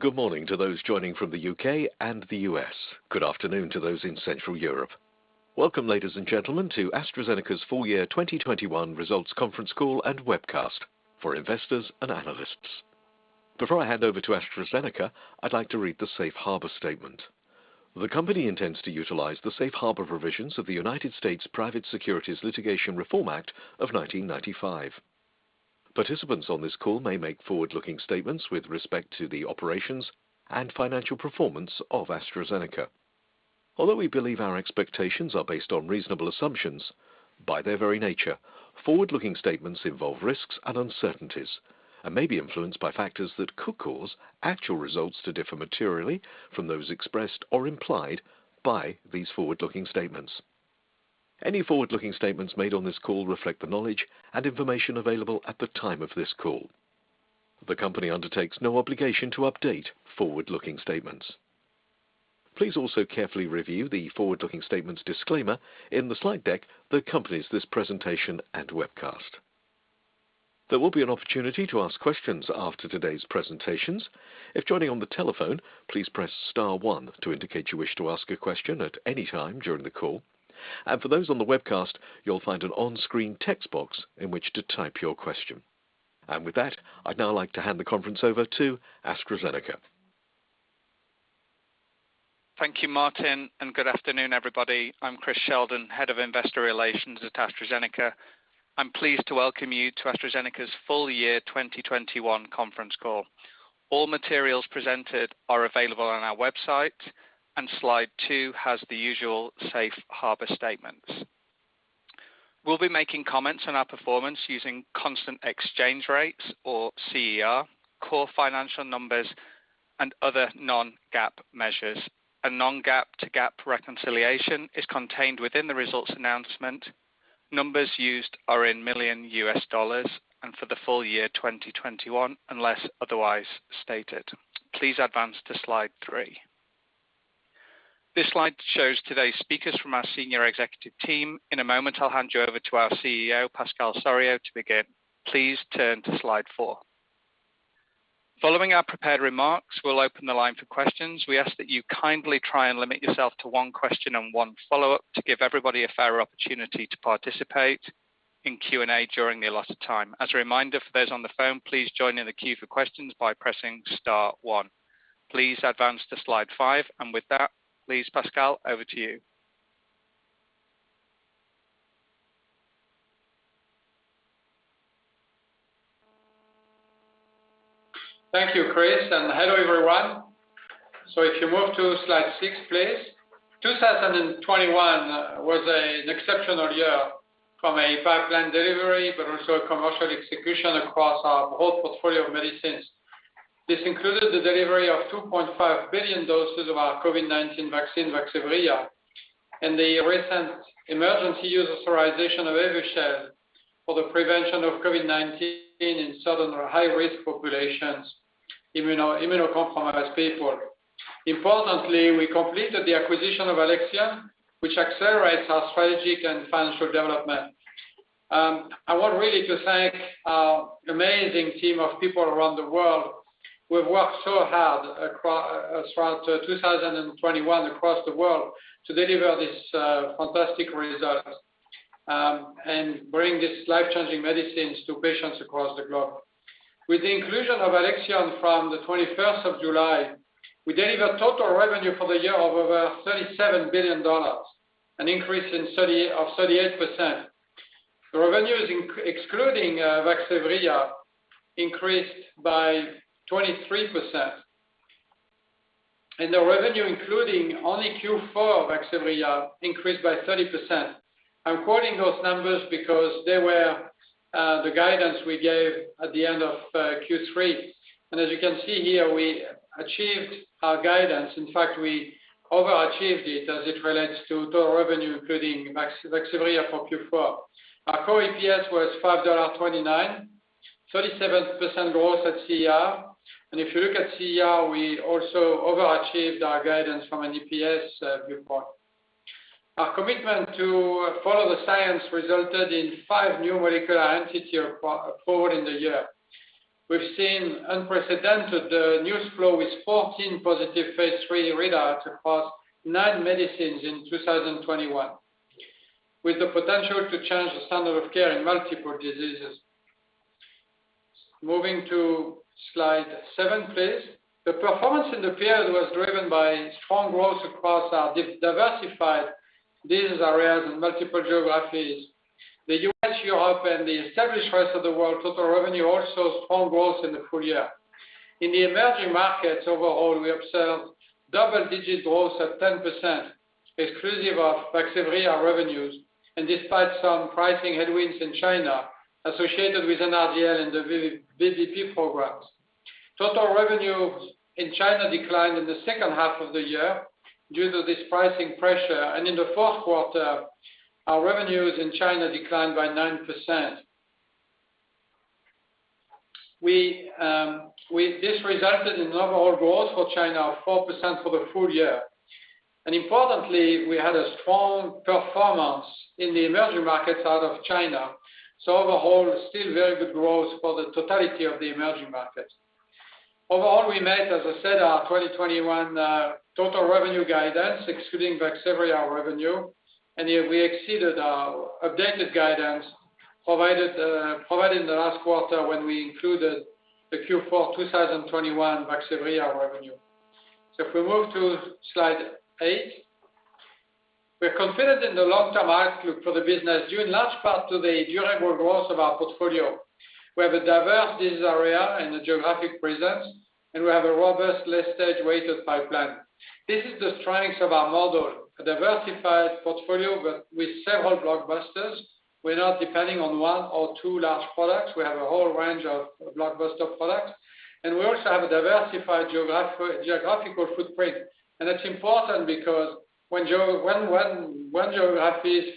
Good morning to those joining from the U.K. and the U.S. Good afternoon to those in Central Europe. Welcome, ladies and gentlemen, to AstraZeneca's full year 2021 results conference call and webcast for investors and analysts. Before I hand over to AstraZeneca, I'd like to read the safe harbor statement. The company intends to utilize the safe harbor provisions of the United States Private Securities Litigation Reform Act of 1995. Participants on this call may make forward-looking statements with respect to the operations and financial performance of AstraZeneca. Although we believe our expectations are based on reasonable assumptions, by their very nature, forward-looking statements involve risks and uncertainties and may be influenced by factors that could cause actual results to differ materially from those expressed or implied by these forward-looking statements. Any forward-looking statements made on this call reflect the knowledge and information available at the time of this call. The company undertakes no obligation to update forward-looking statements. Please also carefully review the forward-looking statements disclaimer in the slide deck that accompanies this presentation and webcast. There will be an opportunity to ask questions after today's presentations. If joining on the telephone, please press star one to indicate you wish to ask a question at any time during the call. For those on the webcast, you'll find an on-screen text box in which to type your question. With that, I'd now like to hand the conference over to AstraZeneca. Thank you, Martin, and good afternoon, everybody. I'm Chris Sheldon, Head of Investor Relations at AstraZeneca. I'm pleased to welcome you to AstraZeneca's full year 2021 conference call. All materials presented are available on our website, and slide two has the usual safe harbor statements. We'll be making comments on our performance using constant exchange rates or CER, core financial numbers, and other non-GAAP measures. A non-GAAP to GAAP reconciliation is contained within the results announcement. Numbers used are in million dollars and for the full year 2021, unless otherwise stated. Please advance to slide three. This slide shows today's speakers from our senior executive team. In a moment, I'll hand you over to our CEO, Pascal Soriot, to begin. Please turn to slide four. Following our prepared remarks, we'll open the line for questions. We ask that you kindly try and limit yourself to one question and one follow-up to give everybody a fair opportunity to participate in Q&A during the allotted time. As a reminder for those on the phone, please join in the queue for questions by pressing star one. Please advance to slide five. With that, please, Pascal, over to you. Thank you, Chris, and hello, everyone. If you move to slide six, please. 2021 was an exceptional year from a pipeline delivery, but also commercial execution across our whole portfolio of medicines. This included the delivery of 2.5 billion doses of our COVID-19 vaccine, Vaxzevria, and the recent emergency use authorization of Evusheld for the prevention of COVID-19 in certain high-risk populations, immunocompromised people. Importantly, we completed the acquisition of Alexion, which accelerates our strategic and financial development. I want really to thank our amazing team of people around the world who have worked so hard across throughout 2021 across the world to deliver this fantastic results, and bring these life-changing medicines to patients across the globe. With the inclusion of Alexion from the 21st of July, we deliver total revenue for the year of over $37 billion, a 38% increase. The revenue excluding Vaxzevria increased by 23%. The revenue, including only Q4 Vaxzevria, increased by 30%. I'm quoting those numbers because they were the guidance we gave at the end of Q3. As you can see here, we achieved our guidance. In fact, we overachieved it as it relates to total revenue, including Vaxzevria for Q4. Our core EPS was $5.29, 37% growth at CER. If you look at CER, we also overachieved our guidance from an EPS viewpoint. Our commitment to follow the science resulted in five new molecular entities approved in the year. We've seen unprecedented news flow with 14 positive phase III readouts across 9 medicines in 2021, with the potential to change the standard of care in multiple diseases. Moving to slide seven, please. The performance in the period was driven by strong growth across our diversified disease areas and multiple geographies. The U.S., Europe, and the established rest of the world total revenue, also strong growth in the full year. In the emerging markets overall, we observed double-digit growth at 10%, exclusive of Vaxzevria revenues, and despite some pricing headwinds in China associated with an NRDL in the VBP programs. Total revenue in China declined in the second half of the year due to this pricing pressure. In the fourth quarter, our revenues in China declined by 9%. This resulted in overall growth for China of 4% for the full year. Importantly, we had a strong performance in the emerging markets out of China. Overall, still very good growth for the totality of the emerging markets. Overall, we made, as I said, our 2021 total revenue guidance, excluding Vaxzevria revenue. Here we exceeded our updated guidance provided in the last quarter when we included the Q4 2021 Vaxzevria revenue. If we move to slide eight. We're confident in the long-term outlook for the business due in large part to the durable growth of our portfolio. We have a diverse disease area and a geographic presence, and we have a robust late-stage R&D pipeline. This is the strengths of our model, a diversified portfolio but with several blockbusters. We're not depending on one or two large products. We have a whole range of blockbuster products. We also have a diversified geographical footprint. That's important because when geographies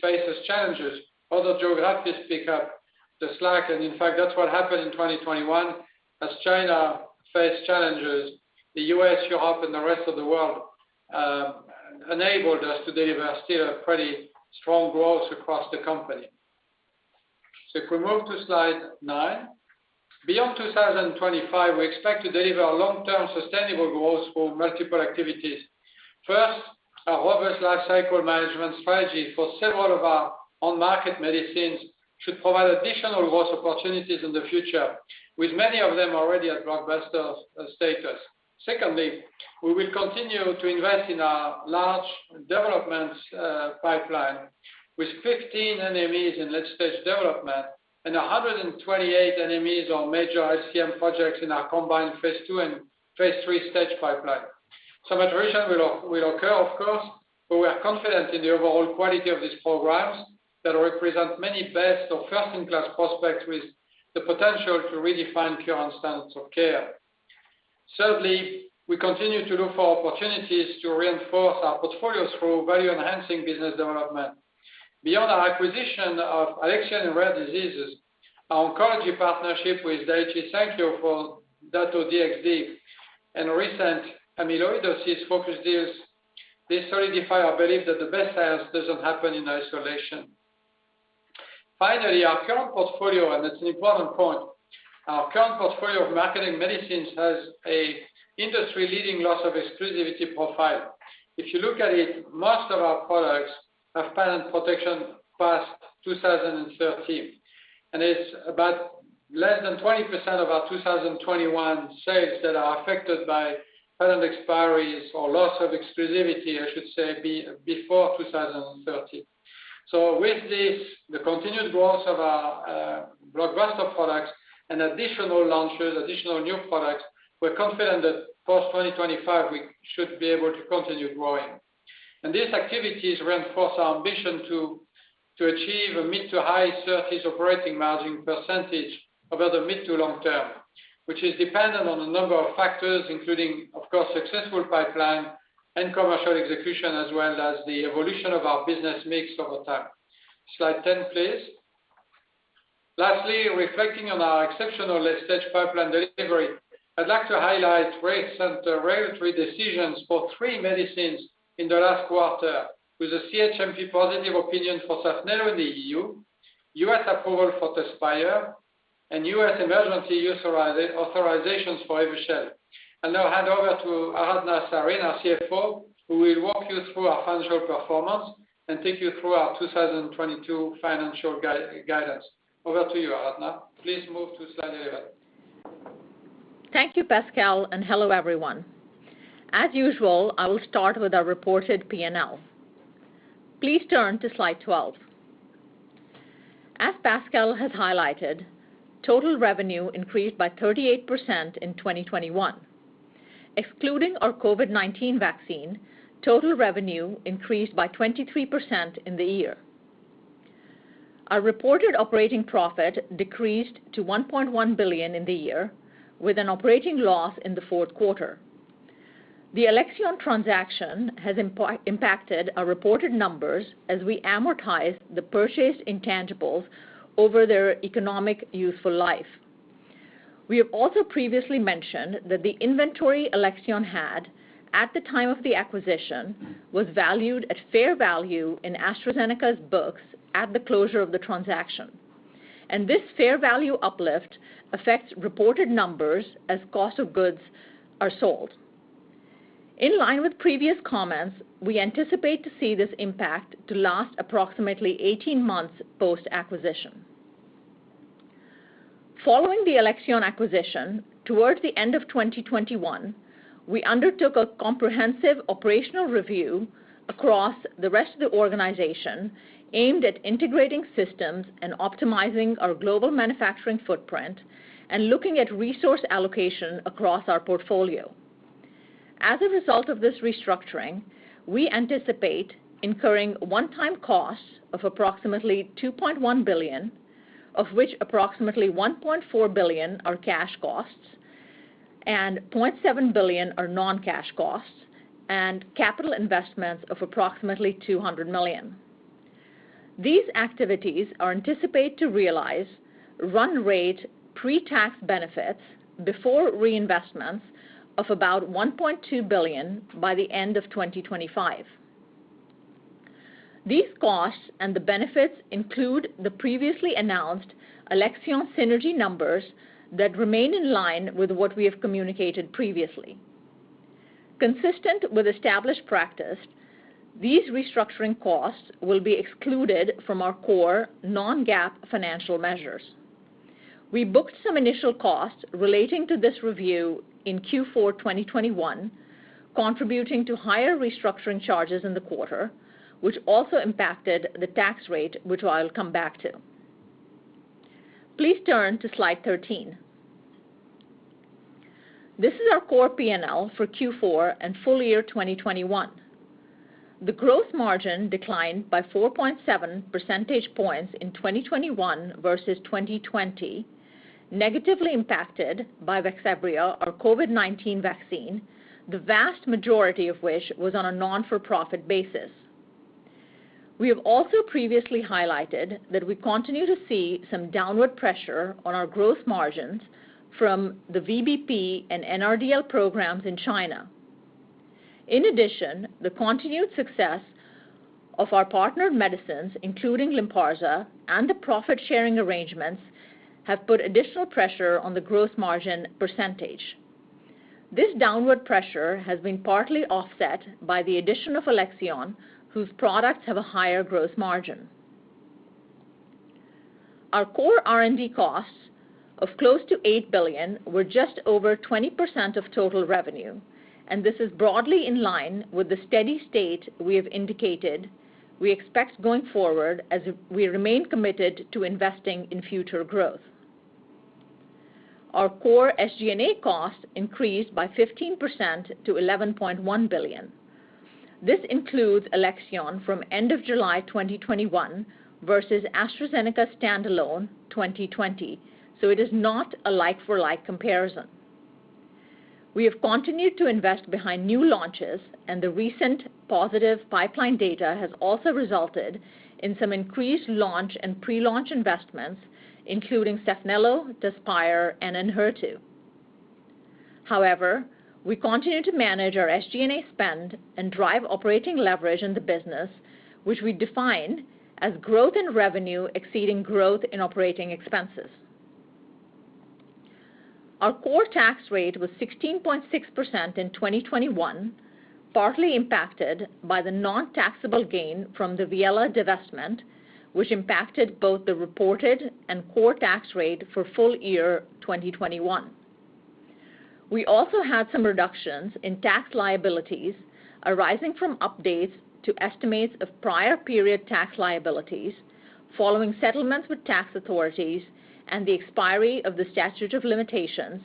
face challenges, other geographies pick up the slack. In fact, that's what happened in 2021. As China faced challenges, the U.S., Europe, and the rest of the world enabled us to deliver still a pretty strong growth across the company. If we move to slide nine. Beyond 2025, we expect to deliver long-term sustainable growth for multiple activities. First, our robust lifecycle management strategy for several of our on-market medicines should provide additional growth opportunities in the future, with many of them already at blockbuster status. Secondly, we will continue to invest in our large development pipeline with 15 NMEs in late-stage development and 128 NMEs on major LCM projects in our combined phase II and phase III stage pipeline. Some attrition will occur, of course, but we are confident in the overall quality of these programs that represent many best or first-in-class prospects with the potential to redefine current standards of care. Thirdly, we continue to look for opportunities to reinforce our portfolios through value-enhancing business development. Beyond our acquisition of Alexion in Rare Diseases, our oncology partnership with Daiichi Sankyo for Dato-DXd and recent amyloidosis-focused deals, they solidify our belief that the best science doesn't happen in isolation. Finally, our current portfolio, and it's an important point, our current portfolio of marketing medicines has an industry-leading loss of exclusivity profile. If you look at it, most of our products have patent protection past 2013, and it's about less than 20% of our 2021 sales that are affected by patent expiries or loss of exclusivity, I should say, before 2030. With this, the continued growth of our blockbuster products and additional launches, additional new products, we're confident that post-2025, we should be able to continue growing. These activities reinforce our ambition to achieve a mid-to-high 30s operating margin percentage over the mid to long term, which is dependent on a number of factors, including, of course, successful pipeline and commercial execution, as well as the evolution of our business mix over time. Slide 10, please. Lastly, reflecting on our exceptional late-stage pipeline delivery, I'd like to highlight recent regulatory decisions for three medicines in the last quarter with a CHMP positive opinion for Saphnelo in the E.U., U.S. approval for Tezspire, and U.S. emergency use authorizations for Evusheld. I now hand over to., our CFO, who will walk you through our financial performance and take you through our 2022 financial guidance. Over to you, Aradhana. Please move to slide 11. Thank you, Pascal, and hello, everyone. As usual, I will start with our reported P&L. Please turn to slide 12. As Pascal has highlighted, total revenue increased by 38% in 2021. Excluding our COVID-19 vaccine, total revenue increased by 23% in the year. Our reported operating profit decreased to $1.1 billion in the year, with an operating loss in the fourth quarter. The Alexion transaction has impacted our reported numbers as we amortize the purchased intangibles over their economic useful life. We have also previously mentioned that the inventory Alexion had at the time of the acquisition was valued at fair value in AstraZeneca's books at the closure of the transaction. This fair value uplift affects reported numbers as cost of goods are sold. In line with previous comments, we anticipate to see this impact to last approximately 18 months post-acquisition. Following the Alexion acquisition, toward the end of 2021, we undertook a comprehensive operational review across the rest of the organization aimed at integrating systems and optimizing our global manufacturing footprint and looking at resource allocation across our portfolio. As a result of this restructuring, we anticipate incurring one-time costs of approximately $2.1 billion, of which approximately $1.4 billion are cash costs, and $0.7 billion are non-cash costs, and capital investments of approximately $200 million. These activities are anticipated to realize run rate pre-tax benefits before reinvestments of about $1.2 billion by the end of 2025. These costs and the benefits include the previously announced Alexion synergy numbers that remain in line with what we have communicated previously. Consistent with established practice, these restructuring costs will be excluded from our core non-GAAP financial measures. We booked some initial costs relating to this review in Q4 2021, contributing to higher restructuring charges in the quarter, which also impacted the tax rate, which I'll come back to. Please turn to slide 13. This is our core P&L for Q4 and full year 2021. The gross margin declined by 4.7 percentage points in 2021 versus 2020, negatively impacted by Vaxzevria, our COVID-19 vaccine, the vast majority of which was on a non-for-profit basis. We have also previously highlighted that we continue to see some downward pressure on our gross margins from the VBP and NRDL programs in China. In addition, the continued success of our partnered medicines, including Lynparza and the profit-sharing arrangements, have put additional pressure on the gross margin percentage. This downward pressure has been partly offset by the addition of Alexion, whose products have a higher gross margin. Our core R&D costs of close to $8 billion were just over 20% of total revenue, and this is broadly in line with the steady state we have indicated we expect going forward as we remain committed to investing in future growth. Our core SG&A costs increased by 15% to $11.1 billion. This includes Alexion from end of July 2021 versus AstraZeneca standalone 2020, so it is not a like-for-like comparison. We have continued to invest behind new launches and the recent positive pipeline data has also resulted in some increased launch and pre-launch investments, including Saphnelo, Tezspire and Enhertu. However, we continue to manage our SG&A spend and drive operating leverage in the business, which we define as growth in revenue exceeding growth in operating expenses. Our core tax rate was 16.6% in 2021, partly impacted by the non-taxable gain from the Viela divestment, which impacted both the reported and core tax rate for full year 2021. We also had some reductions in tax liabilities arising from updates to estimates of prior period tax liabilities following settlements with tax authorities and the expiry of the statute of limitations,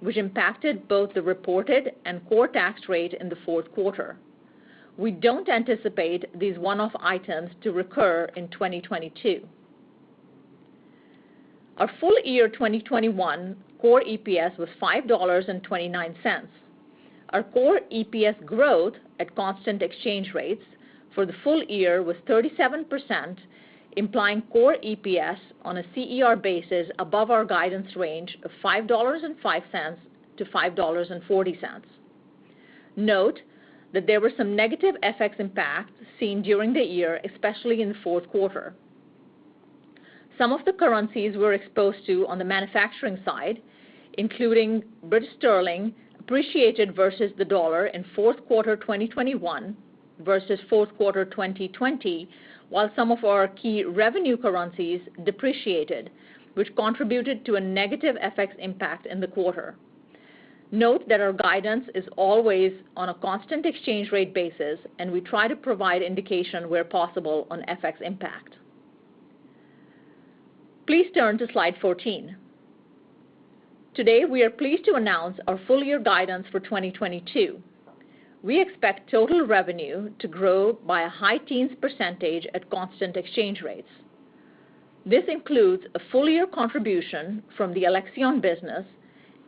which impacted both the reported and core tax rate in the fourth quarter. We don't anticipate these one-off items to recur in 2022. Our full year 2021 core EPS was $5.29. Our core EPS growth at constant exchange rates for the full year was 37%, implying core EPS on a CER basis above our guidance range of $5.05-$5.40. Note that there were some negative FX impacts seen during the year, especially in the fourth quarter. Some of the currencies we're exposed to on the manufacturing side, including British Sterling, appreciated versus the dollar in fourth quarter 2021 versus fourth quarter 2020, while some of our key revenue currencies depreciated, which contributed to a negative FX impact in the quarter. Note that our guidance is always on a constant exchange rate basis, and we try to provide indication where possible on FX impact. Please turn to slide 14. Today, we are pleased to announce our full-year guidance for 2022. We expect total revenue to grow by a high teens percentage at constant exchange rates. This includes a full-year contribution from the Alexion business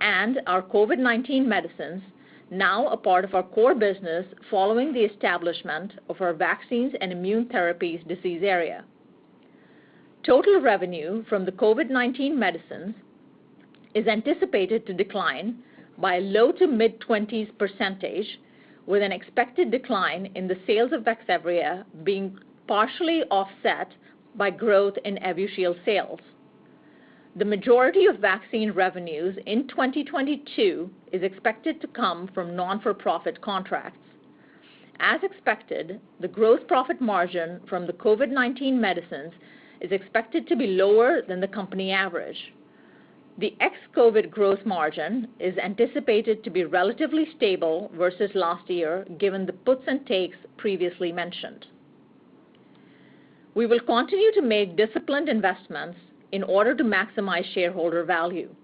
and our COVID-19 medicines, now a part of our core business following the establishment of our vaccines and immune therapies disease area. Total revenue from the COVID-19 medicines is anticipated to decline by low to mid-20s%, with an expected decline in the sales of Vaxzevria being partially offset by growth in Evusheld sales. The majority of vaccine revenues in 2022 is expected to come from non-for-profit contracts. As expected, the growth profit margin from the COVID-19 medicines is expected to be lower than the company average. The ex-COVID growth margin is anticipated to be relatively stable versus last year, given the puts and takes previously mentioned. We will continue to make disciplined investments in order to maximize shareholder value.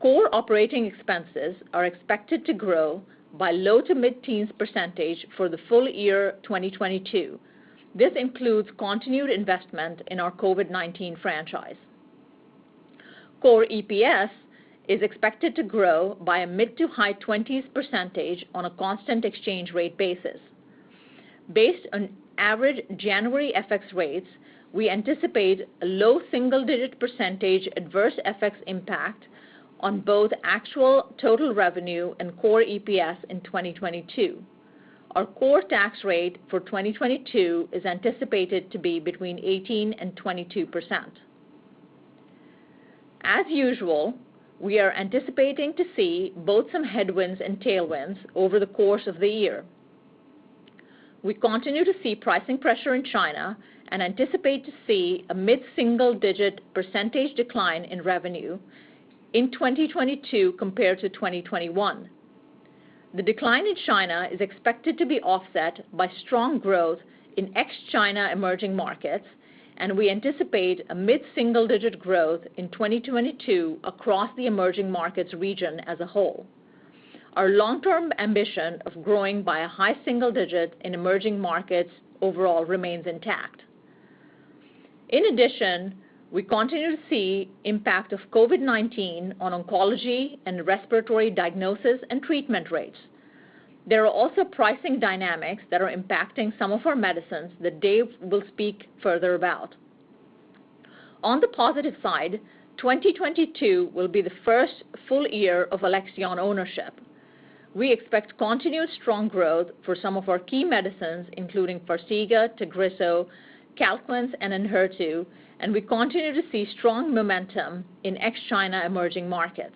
Core operating expenses are expected to grow by low to mid-teens percentage for the full year 2022. This includes continued investment in our COVID-19 franchise. Core EPS is expected to grow by a mid- to high 20s% on a constant exchange rate basis. Based on average January FX rates, we anticipate a low single-digit percentage adverse FX impact on both actual total revenue and core EPS in 2022. Our core tax rate for 2022 is anticipated to be between 18%-22%. As usual, we are anticipating to see both some headwinds and tailwinds over the course of the year. We continue to see pricing pressure in China and anticipate to see a mid-single-digit percentage decline in revenue in 2022 compared to 2021. The decline in China is expected to be offset by strong growth in ex-China emerging markets, and we anticipate a mid-single-digit percentage growth in 2022 across the emerging markets region as a whole. Our long-term ambition of growing by a high single-digit percentage in emerging markets overall remains intact. In addition, we continue to see impact of COVID-19 on oncology and respiratory diagnosis and treatment rates. There are also pricing dynamics that are impacting some of our medicines that Dave will speak further about. On the positive side, 2022 will be the first full year of Alexion ownership. We expect continuous strong growth for some of our key medicines, including Farxiga, Tagrisso, Calquence, and Enhertu, and we continue to see strong momentum in ex-China emerging markets.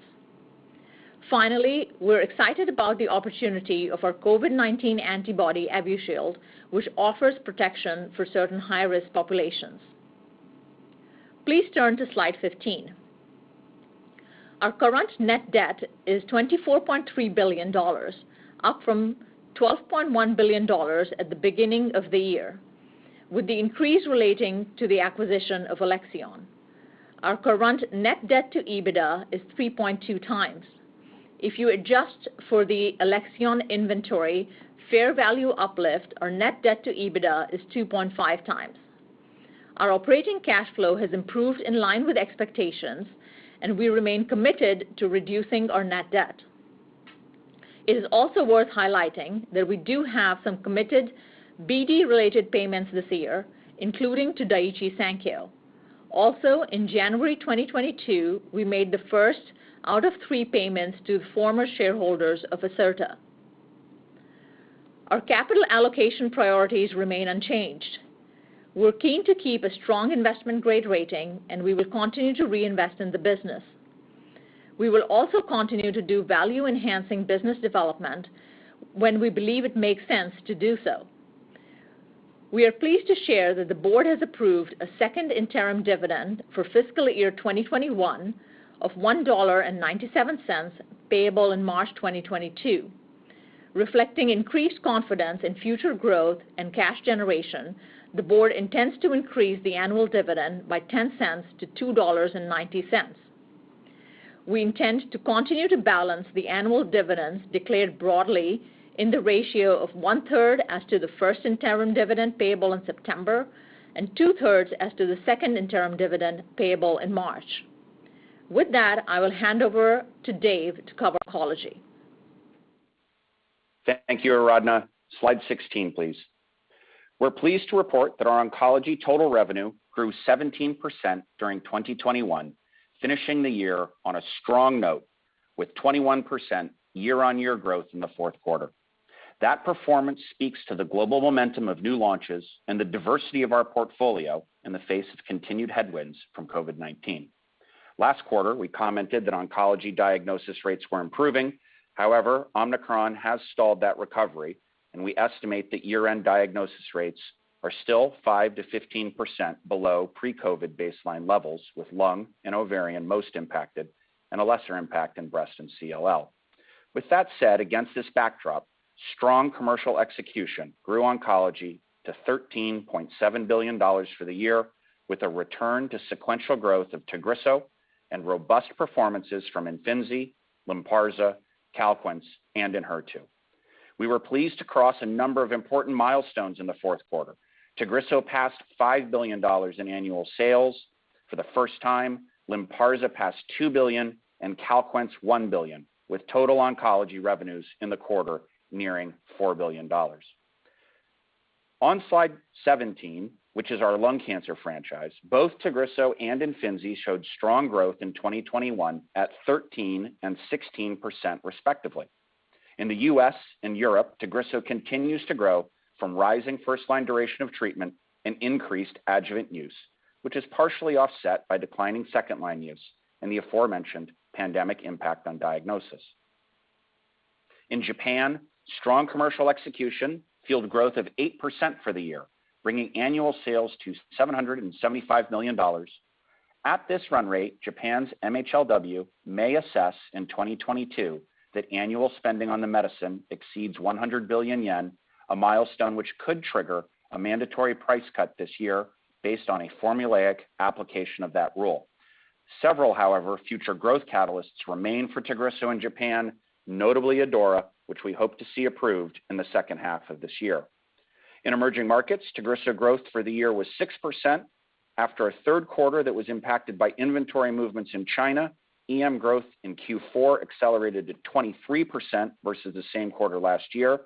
Finally, we're excited about the opportunity of our COVID-19 antibody, Evusheld, which offers protection for certain high-risk populations. Please turn to slide 15. Our current net debt is $24.3 billion, up from $12.1 billion at the beginning of the year, with the increase relating to the acquisition of Alexion. Our current net debt to EBITDA is 3.2x. If you adjust for the Alexion inventory fair value uplift, our net debt to EBITDA is 2.5x. Our operating cash flow has improved in line with expectations, and we remain committed to reducing our net debt. It is also worth highlighting that we do have some committed BD-related payments this year, including to Daiichi Sankyo. Also, in January 2022, we made the first out of three payments to former shareholders of Acerta. Our capital allocation priorities remain unchanged. We're keen to keep a strong investment grade rating, and we will continue to reinvest in the business. We will also continue to do value-enhancing business development when we believe it makes sense to do so. We are pleased to share that the board has approved a second interim dividend for fiscal year 2021 of $1.97 payable in March 2022. Reflecting increased confidence in future growth and cash generation, the board intends to increase the annual dividend by $0.10-$2.90. We intend to continue to balance the annual dividends declared broadly in the ratio of one-third as to the first interim dividend payable in September, and two-thirds as to the second interim dividend payable in March. With that, I will hand over to Dave to cover Oncology. Thank you, Aradhana Sarin. Slide 16, please. We're pleased to report that our Oncology total revenue grew 17% during 2021, finishing the year on a strong note with 21% year-on-year growth in the fourth quarter. That performance speaks to the global momentum of new launches and the diversity of our portfolio in the face of continued headwinds from COVID-19. Last quarter, we commented that oncology diagnosis rates were improving. However, Omicron has stalled that recovery, and we estimate that year-end diagnosis rates are still 5%-15% below pre-COVID baseline levels, with lung and ovarian most impacted and a lesser impact in breast and CLL. With that said, against this backdrop, strong commercial execution grew Oncology to $13.7 billion for the year, with a return to sequential growth of Tagrisso and robust performances from Imfinzi, Lynparza, Calquence, and Enhertu. We were pleased to cross a number of important milestones in the fourth quarter. Tagrisso passed $5 billion in annual sales. For the first time, Lynparza passed $2 billion and Calquence $1 billion, with total Oncology revenues in the quarter nearing $4 billion. On slide 17, which is our lung cancer franchise, both Tagrisso and Imfinzi showed strong growth in 2021 at 13% and 16% respectively. In the U.S. and Europe, Tagrisso continues to grow from rising first line duration of treatment and increased adjuvant use, which is partially offset by declining second line use and the aforementioned pandemic impact on diagnosis. In Japan, strong commercial execution fueled growth of 8% for the year, bringing annual sales to $775 million. At this run rate, Japan's MHLW may assess in 2022 that annual spending on the medicine exceeds 100 billion yen, a milestone which could trigger a mandatory price cut this year based on a formulaic application of that rule. Several future growth catalysts remain for Tagrisso in Japan, notably ADAURA, which we hope to see approved in the second half of this year. In emerging markets, Tagrisso growth for the year was 6% after a third quarter that was impacted by inventory movements in China. EM growth in Q4 accelerated to 23% versus the same quarter last year.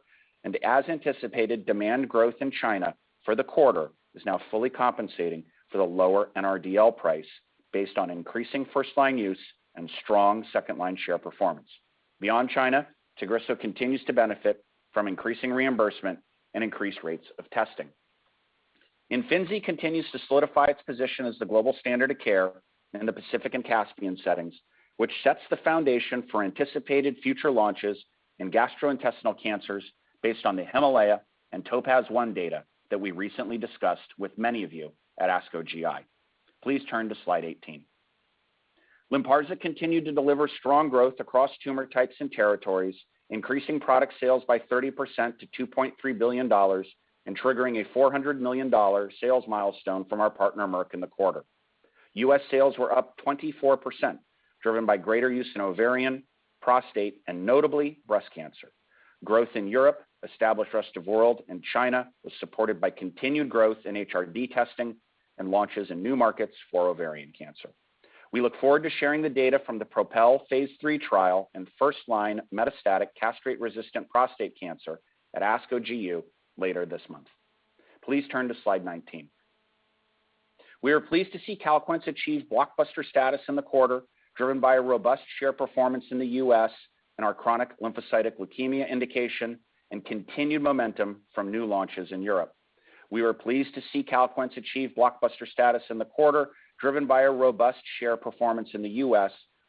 As anticipated, demand growth in China for the quarter is now fully compensating for the lower NRDL price based on increasing first line use and strong second line share performance. Beyond China, Tagrisso continues to benefit from increasing reimbursement and increased rates of testing. Imfinzi continues to solidify its position as the global standard of care in the PACIFIC and CASPIAN settings, which sets the foundation for anticipated future launches in gastrointestinal cancers based on the HIMALAYA and TOPAZ-1 data that we recently discussed with many of you at ASCO GI. Please turn to slide 18. Lynparza continued to deliver strong growth across tumor types and territories, increasing product sales by 30% to $2.3 billion and triggering a $400 million sales milestone from our partner, Merck, in the quarter. U.S. sales were up 24%, driven by greater use in ovarian, prostate, and notably, breast cancer. Growth in Europe ex-US, rest of world, and China was supported by continued growth in HRD testing and launches in new markets for ovarian cancer. We look forward to sharing the data from the PROPEL phase III trial in first-line metastatic castration-resistant prostate cancer at ASCO GU later this month. Please turn to slide 19. We are pleased to see Calquence achieve blockbuster status in the quarter, driven by a robust share performance in the U.S.,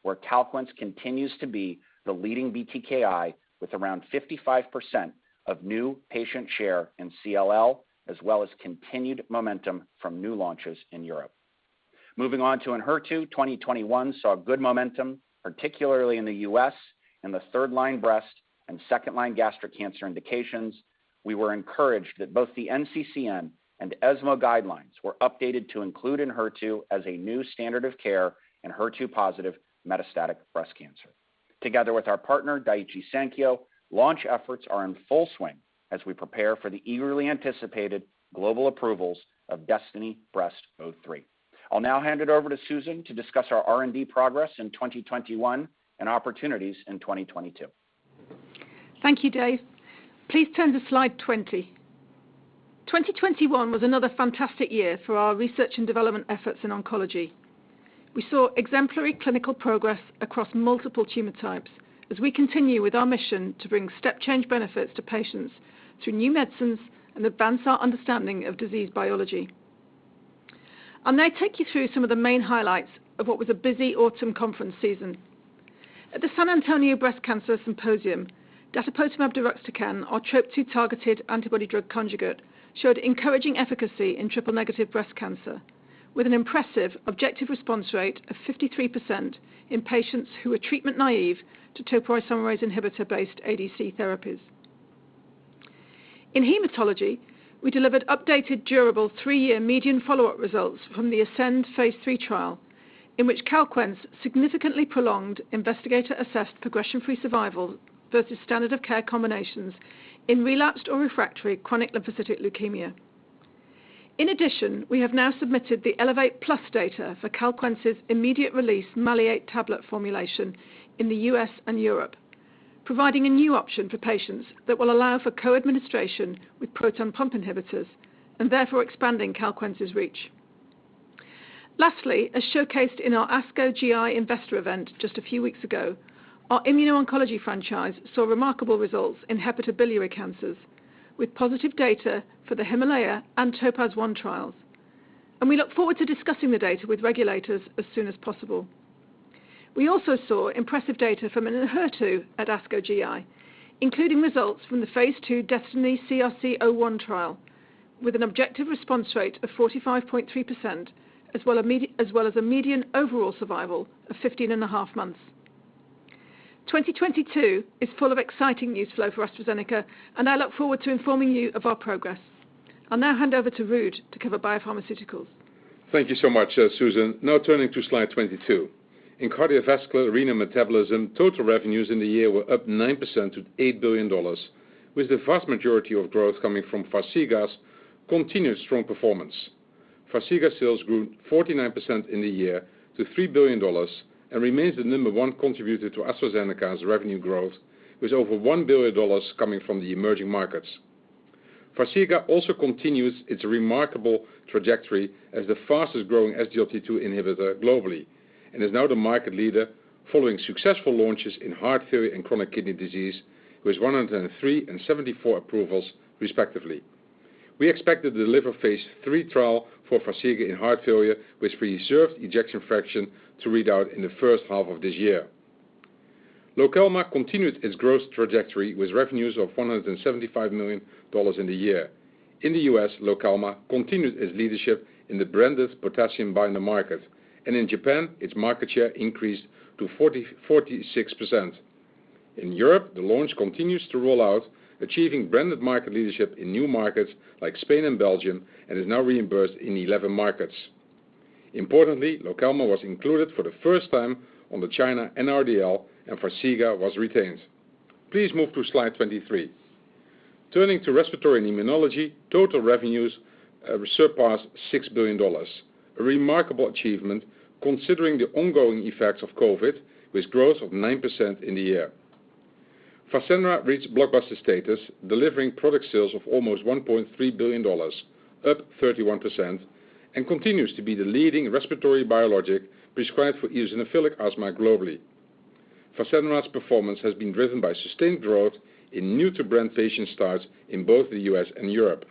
where Calquence continues to be the leading BTKI with around 55% of new patient share in CLL, as well as continued momentum from new launches in Europe. Moving on to Enhertu. 2021 saw good momentum, particularly in the U.S., in the third-line breast and second-line gastric cancer indications. We were encouraged that both the NCCN and ESMO guidelines were updated to include Enhertu as a new standard of care in HER2 positive metastatic breast cancer. Together with our partner, Daiichi Sankyo, launch efforts are in full swing as we prepare for the eagerly anticipated global approvals of DESTINY-Breast03. I'll now hand it over to Susan to discuss our R&D progress in 2021 and opportunities in 2022. Thank you, Dave. Please turn to slide 20. 2021 was another fantastic year for our research and development efforts in oncology. We saw exemplary clinical progress across multiple tumor types as we continue with our mission to bring step change benefits to patients through new medicines and advance our understanding of disease biology. I'll now take you through some of the main highlights of what was a busy autumn conference season. At the San Antonio Breast Cancer Symposium, datopotamab deruxtecan, our TROP2 targeted antibody drug conjugate, showed encouraging efficacy in triple negative breast cancer with an impressive objective response rate of 53% in patients who were treatment naive to topoisomerase inhibitor-based ADC therapies. In hematology, we delivered updated durable three-year median follow-up results from the ASCEND phase III trial, in which Calquence significantly prolonged investigator-assessed progression-free survival versus standard of care combinations in relapsed or refractory chronic lymphocytic leukemia. In addition, we have now submitted the ELEVATE-PLUS data for Calquence's immediate release maleate tablet formulation in the U.S. and Europe, providing a new option for patients that will allow for co-administration with proton pump inhibitors and therefore expanding Calquence's reach. Lastly, as showcased in our ASCO GI investor event just a few weeks ago, our immuno-oncology franchise saw remarkable results in hepatobiliary cancers with positive data for the HIMALAYA and TOPAZ-1 trials, and we look forward to discussing the data with regulators as soon as possible. We also saw impressive data from Enhertu at ASCO GI, including results from the phase II DESTINY-CRC01 trial, with an objective response rate of 45.3%, as well as a median overall survival of 15.5 months. 2022 is full of exciting news flow for AstraZeneca. I look forward to informing you of our progress. I'll now hand over to Ruud to cover BioPharmaceuticals. Thank you so much, Susan. Now turning to slide 22. In cardiovascular renal metabolism, total revenues in the year were up 9% to $8 billion, with the vast majority of growth coming from Farxiga's continued strong performance. Farxiga sales grew 49% in the year to $3 billion and remains the number one contributor to AstraZeneca's revenue growth, with over $1 billion coming from the emerging markets. Farxiga also continues its remarkable trajectory as the fastest growing SGLT2 inhibitor globally and is now the market leader following successful launches in heart failure and chronic kidney disease with 103 and 74 approvals, respectively. We expect to deliver phase III trial for Farxiga in heart failure with preserved ejection fraction to read out in the first half of this year. Lokelma continued its growth trajectory with revenues of $175 million in the year. In the U.S., Lokelma continued its leadership in the branded potassium binder market, and in Japan, its market share increased to 44%-46%. In Europe, the launch continues to roll out, achieving branded market leadership in new markets like Spain and Belgium, and is now reimbursed in 11 markets. Importantly, Lokelma was included for the first time on the China NRDL and Farxiga was retained. Please move to slide 23. Turning to respiratory and immunology, total revenues surpassed $6 billion. A remarkable achievement considering the ongoing effects of COVID, with growth of 9% in the year. Fasenra reached blockbuster status, delivering product sales of almost $1.3 billion, up 31%, and continues to be the leading respiratory biologic prescribed for eosinophilic asthma globally. Fasenra's performance has been driven by sustained growth in new to brand patient starts in both the U.S. and Europe.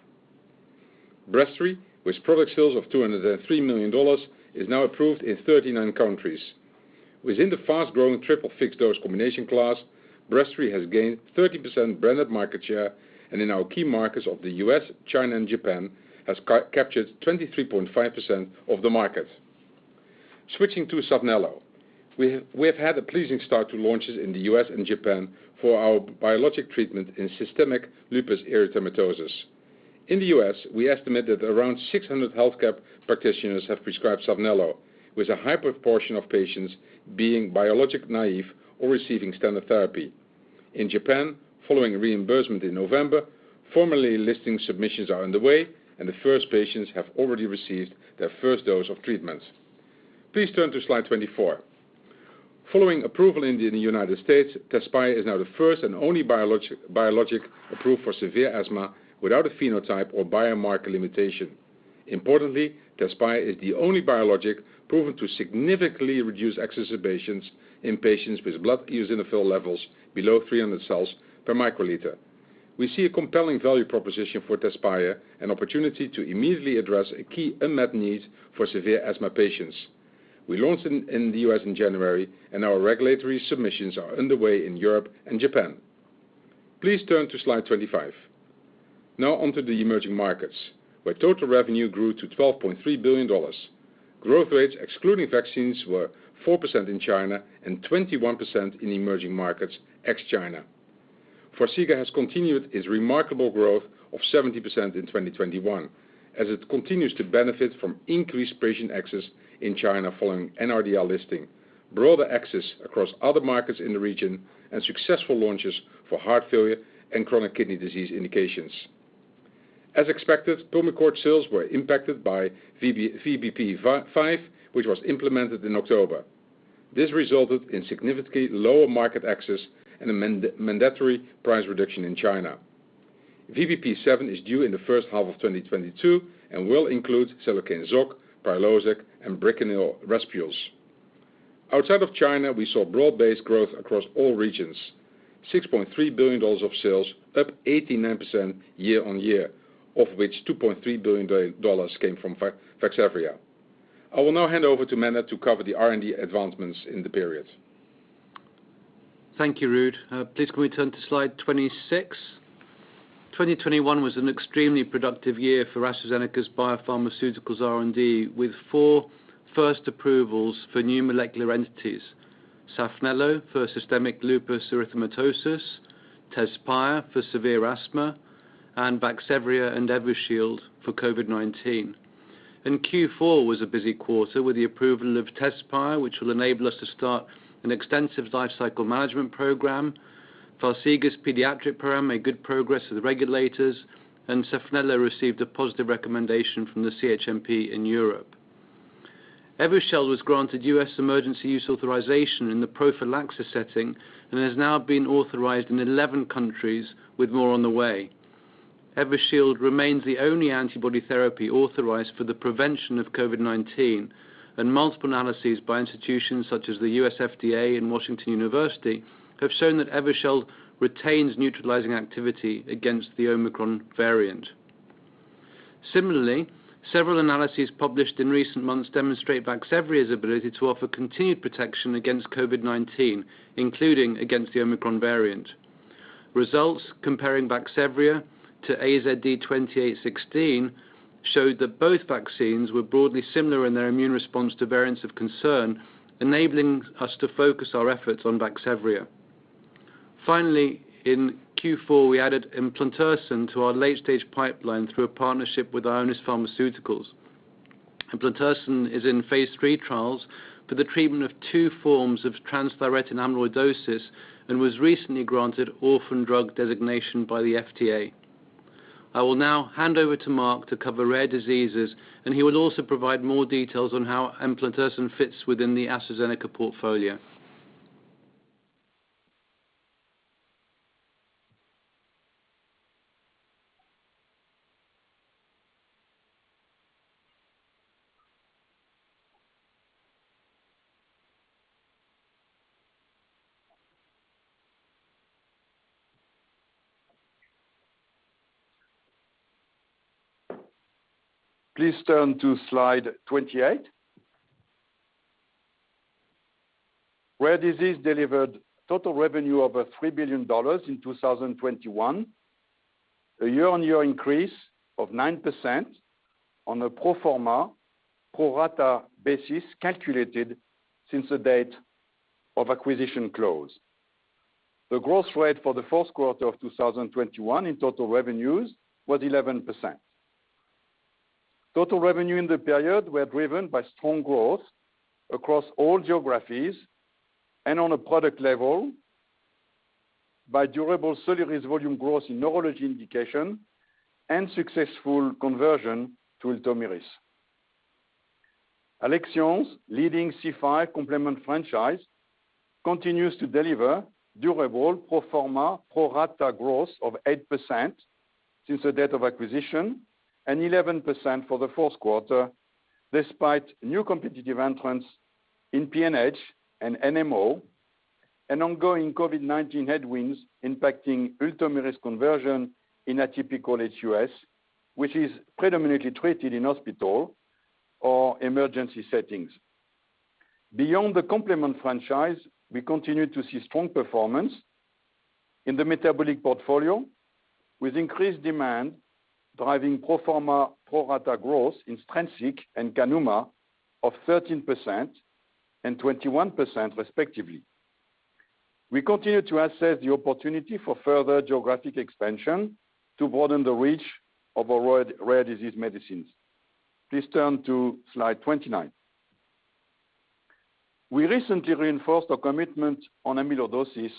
Breztri, with product sales of $203 million, is now approved in 39 countries. Within the fast-growing triple fixed dose combination class, Breztri has gained 30% branded market share, and in our key markets of the U.S., China, and Japan, has captured 23.5% of the market. Switching to Saphnelo. We have had a pleasing start to launches in the U.S. and Japan for our biologic treatment in systemic lupus erythematosus. In the U.S., we estimate that around 600 healthcare practitioners have prescribed Saphnelo, with a high proportion of patients being biologic naive or receiving standard therapy. In Japan, following reimbursement in November, formally listing submissions are underway, and the first patients have already received their first dose of treatments. Please turn to slide 24. Following approval in the United States, Tezspire is now the first and only biologic approved for severe asthma without a phenotype or biomarker limitation. Importantly, Tezspire is the only biologic proven to significantly reduce exacerbations in patients with blood eosinophil levels below 300 cells per microliter. We see a compelling value proposition for Tezspire, an opportunity to immediately address a key unmet need for severe asthma patients. We launched in the US in January, and our regulatory submissions are underway in Europe and Japan. Please turn to slide 25. Now on to the emerging markets, where total revenue grew to $12.3 billion. Growth rates excluding vaccines were 4% in China and 21% in emerging markets, ex-China. Farxiga has continued its remarkable growth of 70% in 2021, as it continues to benefit from increased patient access in China following NRDL listing, broader access across other markets in the region, and successful launches for heart failure and chronic kidney disease indications. As expected, Pulmicort sales were impacted by VBP 5, which was implemented in October. This resulted in significantly lower market access and a mandatory price reduction in China. VBP 7 is due in the first half of 2022 and will include Seloken ZOC, Prilosec, and Bricanyl Respules. Outside of China, we saw broad-based growth across all regions. $6.3 billion of sales, up 89% year-on-year, of which $2.3 billion came from Vaxzevria. I will now hand over to Mene to cover the R&D advancements in the period. Thank you, Ruud. Please can we turn to slide 26? 2021 was an extremely productive year for AstraZeneca's BioPharmaceuticals R&D, with four first approvals for new molecular entities. Saphnelo for systemic lupus erythematosus, Tezspire for severe asthma, and Vaxzevria and Evusheld for COVID-19. Q4 was a busy quarter with the approval of Tezspire, which will enable us to start an extensive lifecycle management program. Farxiga's pediatric program made good progress with the regulators, and Saphnelo received a positive recommendation from the CHMP in Europe. Evusheld was granted U.S. emergency use authorization in the prophylaxis setting and has now been authorized in 11 countries with more on the way. Evusheld remains the only antibody therapy authorized for the prevention of COVID-19, and multiple analyses by institutions such as the U.S. FDA and Washington University have shown that Evusheld retains neutralizing activity against the Omicron variant. Similarly, several analyses published in recent months demonstrate Vaxzevria's ability to offer continued protection against COVID-19, including against the Omicron variant. Results comparing Vaxzevria to AZD2816 showed that both vaccines were broadly similar in their immune response to variants of concern, enabling us to focus our efforts on Vaxzevria. Finally, in Q4, we added eplontersen to our late-stage pipeline through a partnership with Ionis Pharmaceuticals. Eplontersen is in phase III trials for the treatment of two forms of transthyretin amyloidosis and was recently granted orphan drug designation by the FDA. I will now hand over to Marc to cover rare diseases, and he will also provide more details on how eplontersen fits within the AstraZeneca portfolio. Please turn to slide 28. Rare Disease delivered total revenue of over $3 billion in 2021, a year-on-year increase of 9% on a pro forma, pro rata basis calculated since the date of acquisition close. The growth rate for the fourth quarter of 2021 in total revenues was 11%. Total revenue in the period were driven by strong growth across all geographies and on a product level by durable Soliris volume growth in neurology indication and successful conversion to Ultomiris. Alexion's leading C5 complement franchise continues to deliver durable pro forma, pro rata growth of 8% since the date of acquisition and 11% for the fourth quarter, despite new competitive entrants in PNH and NMO and ongoing COVID-19 headwinds impacting Ultomiris conversion in atypical aHUS, which is predominantly treated in hospital or emergency settings. Beyond the complement franchise, we continue to see strong performance in the metabolic portfolio, with increased demand driving pro forma, pro rata growth in Strensiq and Kanuma of 13% and 21% respectively. We continue to assess the opportunity for further geographic expansion to broaden the reach of our rare disease medicines. Please turn to slide 29. We recently reinforced our commitment on amyloidosis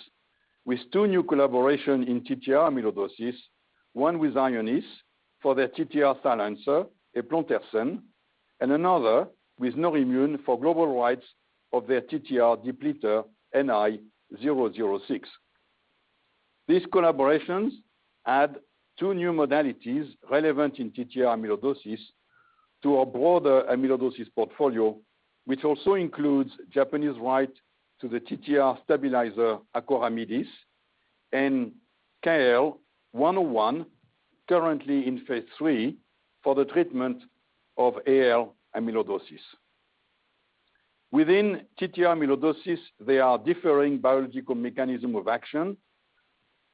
with two new collaborations in TTR amyloidosis, one with Ionis for their TTR silencer, eplontersen, and another with Neurimmune for global rights of their TTR depleter, NI-006. These collaborations add two new modalities relevant in TTR amyloidosis to our broader amyloidosis portfolio, which also includes Japanese rights to the TTR stabilizer Acoramidis and CAEL-101, currently in phase III for the treatment of AL amyloidosis. Within TTR amyloidosis, there are different biological mechanisms of action,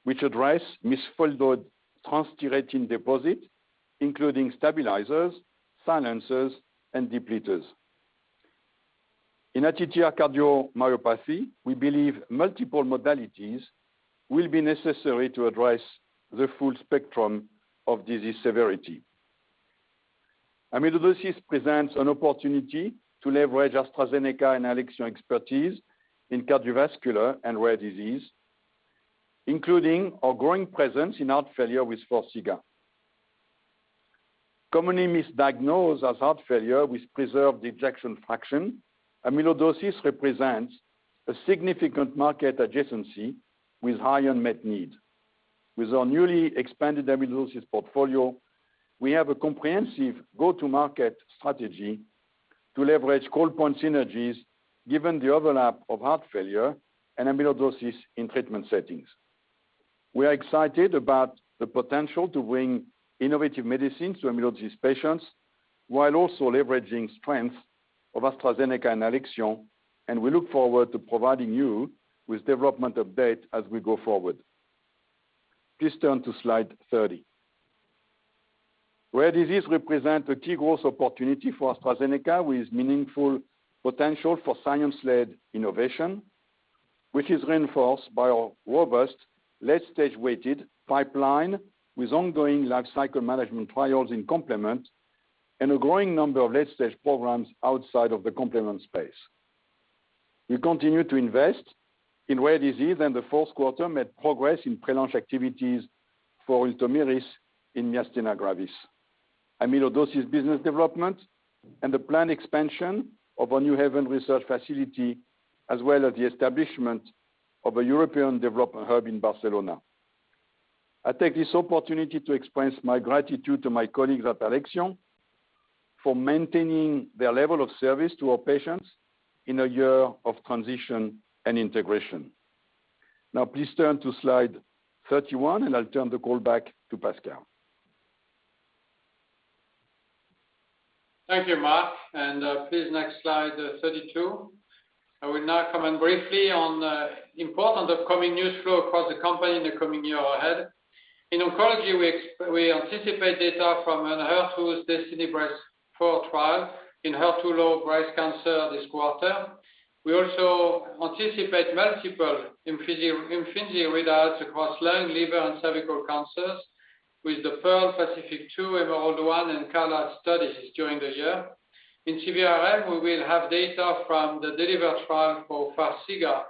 which address misfolded transthyretin deposits, including stabilizers, silencers and depleters. In ATTR cardiomyopathy, we believe multiple modalities will be necessary to address the full spectrum of disease severity. Amyloidosis presents an opportunity to leverage AstraZeneca and Alexion expertise in cardiovascular and rare disease, including our growing presence in heart failure with Farxiga. Commonly misdiagnosed as heart failure with preserved ejection fraction, amyloidosis represents a significant market adjacency with high unmet need. With our newly expanded amyloidosis portfolio, we have a comprehensive go-to-market strategy to leverage co-promotion synergies given the overlap of heart failure and amyloidosis in treatment settings. We are excited about the potential to bring innovative medicines to amyloidosis patients while also leveraging strengths of AstraZeneca and Alexion, and we look forward to providing you with development update as we go forward. Please turn to slide 30. Rare disease represent a key growth opportunity for AstraZeneca with meaningful potential for science-led innovation, which is reinforced by our robust late-stage weighted pipeline with ongoing lifecycle management trials in complement and a growing number of late-stage programs outside of the complement space. We continue to invest in rare disease and the fourth quarter made progress in pre-launch activities for Ultomiris in myasthenia gravis, amyloidosis business development, and the planned expansion of our New Haven research facility as well as the establishment of a European development hub in Barcelona. I take this opportunity to express my gratitude to my colleagues at Alexion for maintaining their level of service to our patients in a year of transition and integration. Now please turn to slide 31, and I'll turn the call back to Pascal. Thank you, Marc, and please next slide, 32. I will now comment briefly on the important upcoming news flow across the company in the coming year ahead. In oncology, we anticipate data from Enhertu's DESTINY-Breast04 trial in HER2-low breast cancer this quarter. We also anticipate multiple Imfinzi readouts across lung, liver, and cervical cancers with the PEARL, PACIFIC-2, EMERALD-1 and CALLA studies during the year. In CVRM, we will have data from the DELIVER trial for Farxiga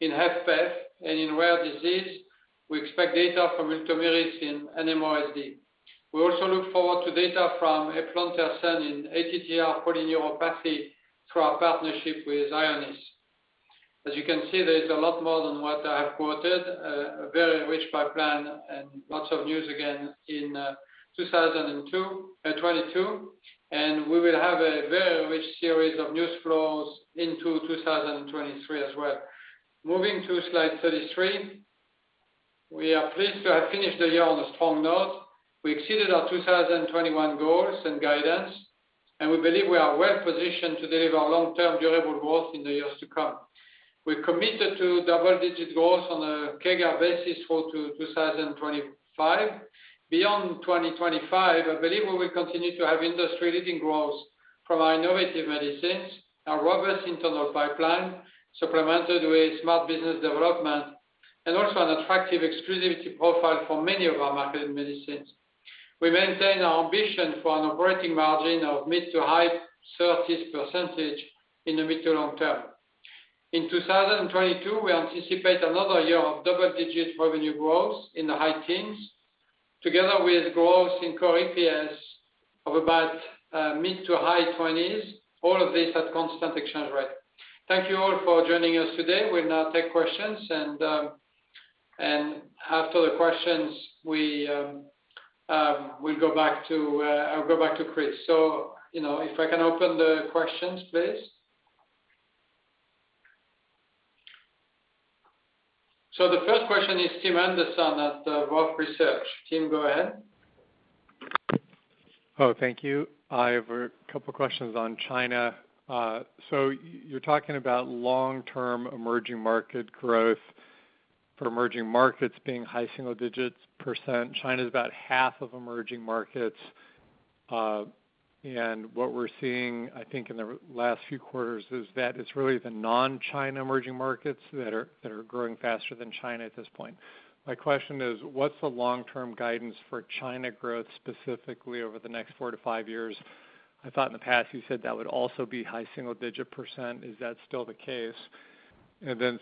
in HFpEF. In rare disease, we expect data from Ultomiris in NMOSD. We also look forward to data from eplontersen in ATTR polyneuropathy through our partnership with Ionis. As you can see, there is a lot more than what I have quoted, a very rich pipeline and lots of news again in 2022, and we will have a very rich series of news flows into 2023 as well. Moving to slide 33. We are pleased to have finished the year on a strong note. We exceeded our 2021 goals and guidance, and we believe we are well positioned to deliver long-term durable growth in the years to come. We're committed to double-digit growth on a CER basis through to 2025. Beyond 2025, I believe we will continue to have industry-leading growth. From our innovative medicines, our robust internal pipeline supplemented with smart business development and also an attractive exclusivity profile for many of our marketed medicines. We maintain our ambition for an operating margin of mid- to high-30s% in the mid- to long-term. In 2022, we anticipate another year of double-digit revenue growth in the high teens%, together with growth in core EPS of about mid- to high-20s%, all of this at constant exchange rate. Thank you all for joining us today. We'll now take questions, and after the questions we'll go back to Chris. You know, if I can open the questions, please. The first question is Tim Anderson at Wolfe Research. Tim, go ahead. Oh, thank you. I have a couple of questions on China. So you're talking about long-term emerging market growth for emerging markets being high single digits%. China's about half of emerging markets. And what we're seeing, I think in the last few quarters, is that it's really the non-China emerging markets that are growing faster than China at this point. My question is, what's the long-term guidance for China growth, specifically over the next four to five years? I thought in the past you said that would also be high single digit%. Is that still the case?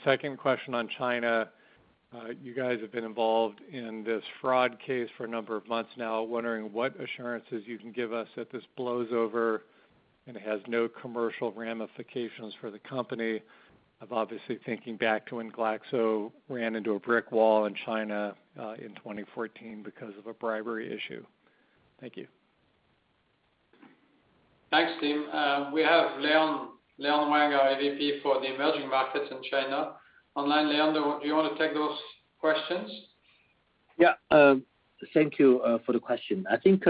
Second question on China. You guys have been involved in this fraud case for a number of months now, wondering what assurances you can give us that this blows over and has no commercial ramifications for the company, or obviously thinking back to when GlaxoSmithKline ran into a brick wall in China in 2014 because of a bribery issue. Thank you. Thanks, Tim. We have Leon Wang, our EVP for the emerging markets in China online. Leon, do you want to take those questions? Yeah, thank you for the question. I think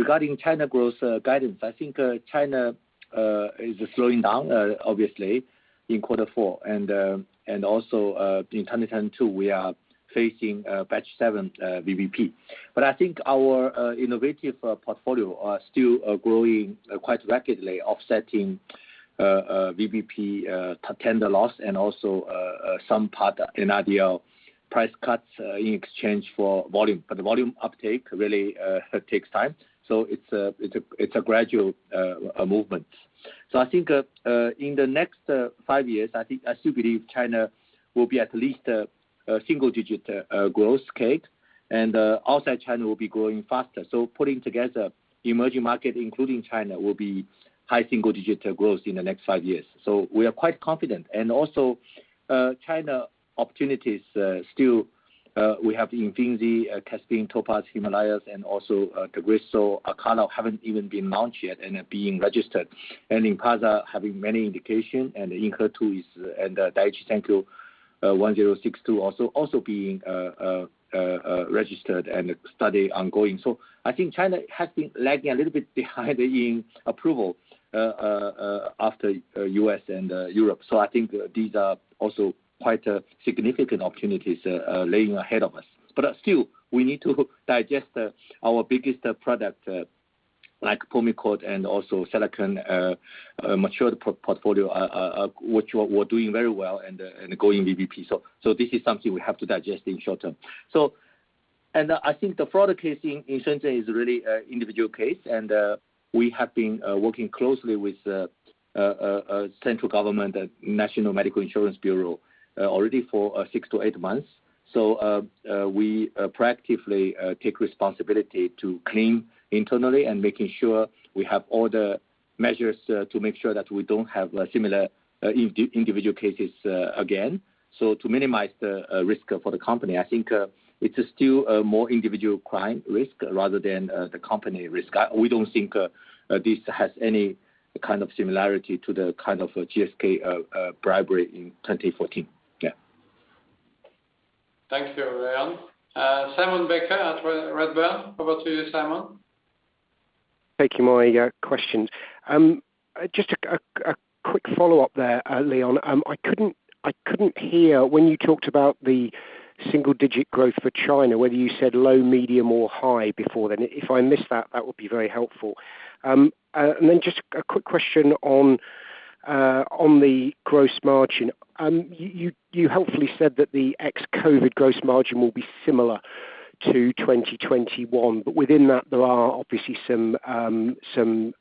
regarding China growth guidance, I think China is slowing down obviously in quarter four and also in 2022, we are facing batch seven VBP. I think our innovative portfolio are still growing quite rapidly, offsetting VBP tender loss and also some part in NRDL price cuts in exchange for volume. The volume uptake really takes time. It's a gradual movement. I think in the next five years, I still believe China will be at least a single digit growth rate, and outside China will be growing faster. Putting together emerging market, including China, will be high single digit growth in the next five years. We are quite confident. China opportunities still we have Imfinzi, CASPIAN, TOPAZ-1, HIMALAYA, and also Tagrisso, Calquence haven't even been launched yet and are being registered. Lynparza having many indications and Enhertu and Daiichi Sankyo DS-1062 also being registered and studies ongoing. I think China has been lagging a little bit behind in approval after U.S. and Europe. I think these are also quite significant opportunities lying ahead of us. Still, we need to digest our biggest products like Symbicort and also Seloken, mature portfolio, which we're doing very well and going VBP. This is something we have to digest in short term. I think the fraud case in Shenzhen is really individual case. We have been working closely with central government and National Medical Insurance Bureau already for six to eight months. We proactively take responsibility to clean internally and making sure we have all the measures to make sure that we don't have similar individual cases again. To minimize the risk for the company, I think it's still a more individual client risk rather than the company risk. We don't think this has any kind of similarity to the kind of GSK bribery in 2014. Thank you, Leon. Simon Baker at Redburn. Over to you, Simon. Thank you. Questions. Just a quick follow-up there, Leon. I couldn't hear when you talked about the single-digit growth for China, whether you said low, medium or high before then. If I missed that would be very helpful. And then just a quick question on the gross margin. You helpfully said that the ex-COVID gross margin will be similar to 2021, but within that, there are obviously some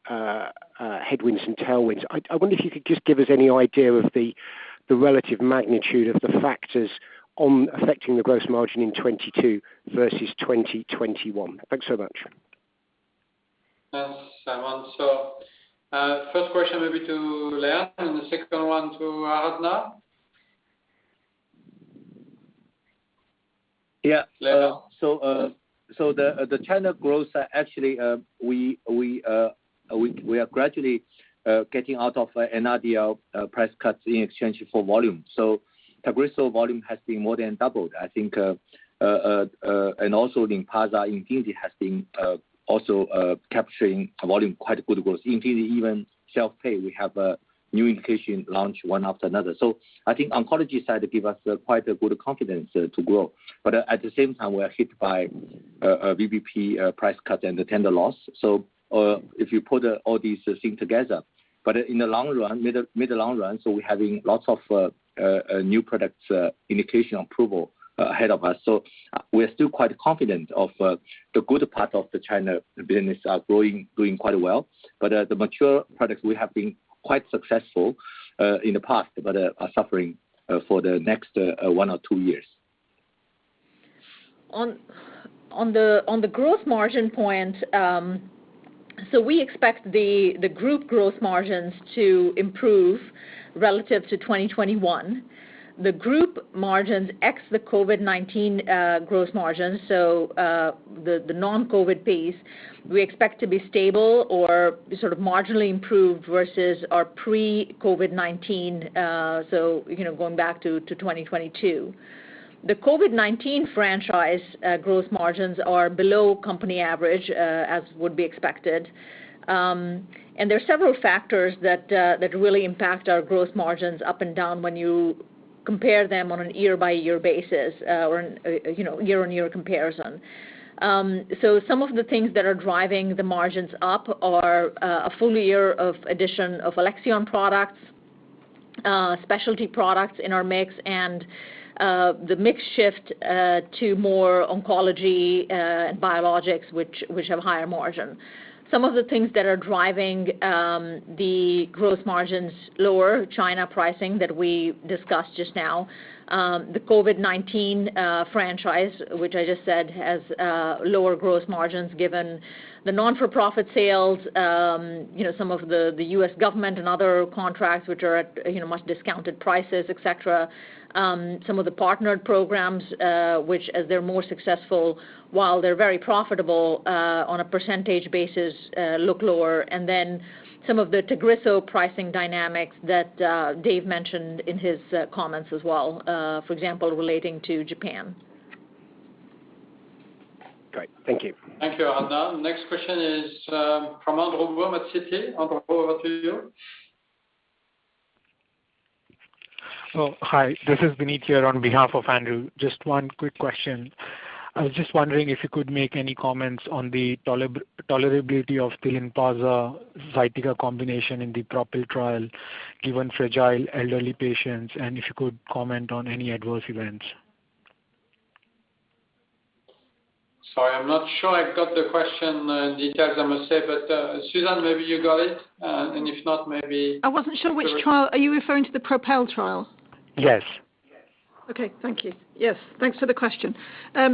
headwinds and tailwinds. I wonder if you could just give us any idea of the relative magnitude of the factors affecting the gross margin in 2022 versus 2021. Thanks so much. Thanks, Simon. First question maybe to Leon and the second one to Aradhana Sarin. Yeah. Leon. The China growth, actually, we are gradually getting out of NRDL price cuts in exchange for volume. Tagrisso volume has been more than doubled, I think, and also Lynparza, Imfinzi has been also capturing volume quite good growth. Imfinzi even self-pay, we have a new indication launch one after another. I think oncology side give us quite a good confidence to grow. At the same time, we are hit by VBP price cut and the tender loss. If you put all these things together. In the long run, mid to long run, we're having lots of new products, indication approval ahead of us. We're still quite confident of the good part of the China business are growing, doing quite well. The mature products, we have been quite successful in the past, but are suffering for the next one or two years. On the growth margin point, so we expect the group growth margins to improve relative to 2021. The group margins ex the COVID-19 growth margins, so the non-COVID pace, we expect to be stable or sort of marginally improved versus our pre-COVID-19, so you know, going back to 2022. The COVID-19 franchise growth margins are below company average, as would be expected. There are several factors that really impact our growth margins up and down when you compare them on a year-by-year basis, or you know, year-on-year comparison. Some of the things that are driving the margins up are a full year of addition of Alexion products, specialty products in our mix, and the mix shift to more oncology and biologics, which have higher margin. Some of the things that are driving the gross margins lower, China pricing that we discussed just now. The COVID-19 franchise, which I just said has lower gross margins given the not-for-profit sales, you know, some of the U.S. government and other contracts which are at, you know, much discounted prices, et cetera. Some of the partnered programs, which as they're more successful, while they're very profitable, on a percentage basis, look lower. Some of the Tagrisso pricing dynamics that Dave mentioned in his comments as well, for example, relating to Japan. Great. Thank you. Thank you, Aradhana. Next question is from Andrew Baum, Citi. Andrew, over to you. Oh, hi. This is Vineet here on behalf of Andrew. Just one quick question. I was just wondering if you could make any comments on the tolerability of the Lynparza/Zytiga combination in the PROPEL trial, given fragile elderly patients, and if you could comment on any adverse events. Sorry, I'm not sure I've got the question details, I must say. Susan, maybe you got it. If not, maybe. I wasn't sure which trial. Are you referring to the PROPEL trial? Yes. Yes. Okay. Thank you. Yes, thanks for the question. I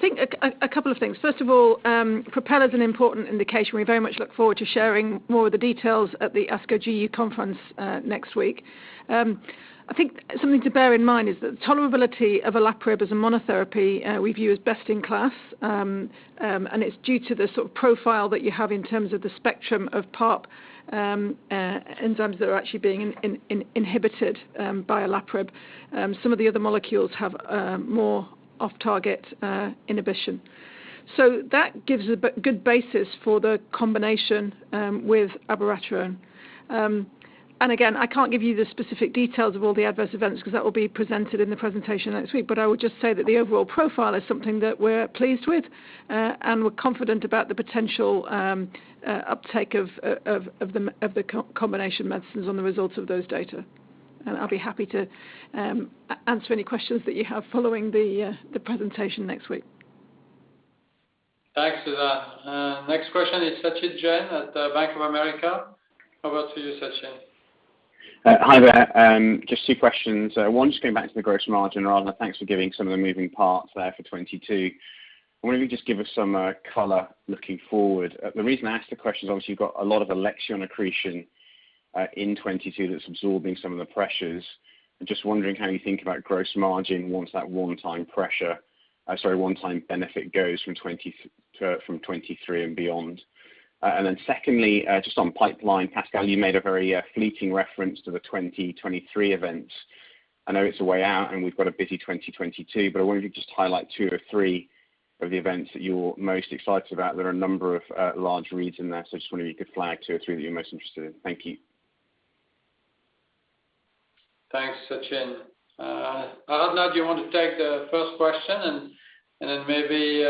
think a couple of things. First of all, PROPEL is an important indication. We very much look forward to sharing more of the details at the ASCO GU conference next week. I think something to bear in mind is that tolerability of olaparib as a monotherapy we view as best in class. It's due to the sort of profile that you have in terms of the spectrum of PARP enzymes that are actually being inhibited by olaparib. Some of the other molecules have more off-target inhibition. That gives a good basis for the combination with abiraterone. Again, I can't give you the specific details of all the adverse events 'cause that will be presented in the presentation next week, but I would just say that the overall profile is something that we're pleased with, and we're confident about the potential uptake of the combination medicines on the results of those data. I'll be happy to answer any questions that you have following the presentation next week. Thanks, Susan. Next question is Sachin Jain at Bank of America. Over to you, Sachin. Hi there. Just two questions. One, just going back to the gross margin rather. Thanks for giving some of the moving parts there for 2022. I wonder if you could just give us some color looking forward. The reason I ask the question is obviously you've got a lot of Alexion accretion in 2022 that's absorbing some of the pressures. I'm just wondering how you think about gross margin once that one-time pressure, sorry, one-time benefit goes from 2023 and beyond. And then secondly, just on pipeline. Pascal, you made a very fleeting reference to the 2023 events. I know it's a way out and we've got a busy 2022, but I wonder if you could just highlight two or three of the events that you're most excited about. There are a number of large reads in there, so I just wonder if you could flag two or three that you're most interested in. Thank you. Thanks, Sachin. Aradhana, do you want to take the first question and then maybe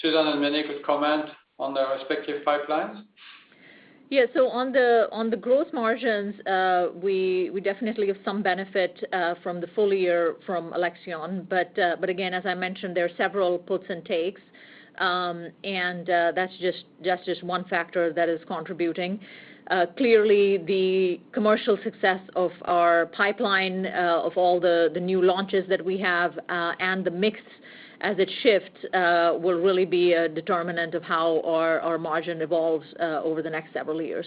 Susan and Vineet could comment on their respective pipelines? On the growth margins, we definitely have some benefit from the full year from Alexion. Again, as I mentioned, there are several puts and takes. That's just one factor that is contributing. Clearly the commercial success of our pipeline of all the new launches that we have and the mix as it shifts will really be a determinant of how our margin evolves over the next several years.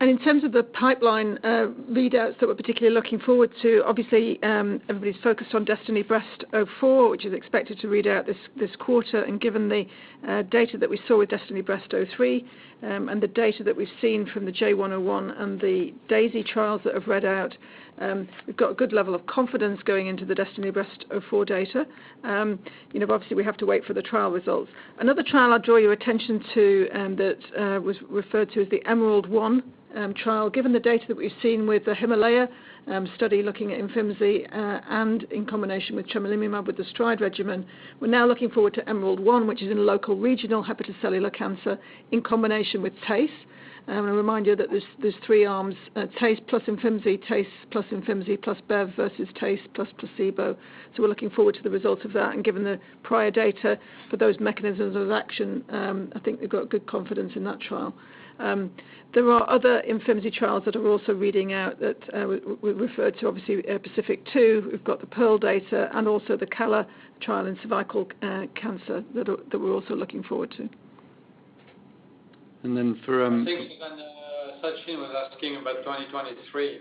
In terms of the pipeline readouts that we're particularly looking forward to, obviously, everybody's focused on DESTINY-Breast04, which is expected to read out this quarter. Given the data that we saw with DESTINY-Breast03, and the data that we've seen from the J101 and the DAISY trials that have read out, we've got a good level of confidence going into the DESTINY-Breast04 data. You know, obviously, we have to wait for the trial results. Another trial I'll draw your attention to that was referred to as the EMERALD-1 trial. Given the data that we've seen with the HIMALAYA study looking at Imfinzi and in combination with tremelimumab with the STRIDE regimen, we're now looking forward to EMERALD-1, which is in local regional hepatocellular cancer in combination with TACE. A reminder that there's three arms: TACE plus Imfinzi, TACE plus Imfinzi plus bevacizumab, versus TACE plus placebo. We're looking forward to the results of that. Given the prior data for those mechanisms of action, I think we've got good confidence in that trial. There are other Imfinzi trials that are also reading out that we referred to, obviously, PACIFIC 2. We've got the PEARL data and also the CALLA trial in cervical cancer that we're also looking forward to. I think, again, Sachin was asking about 2023.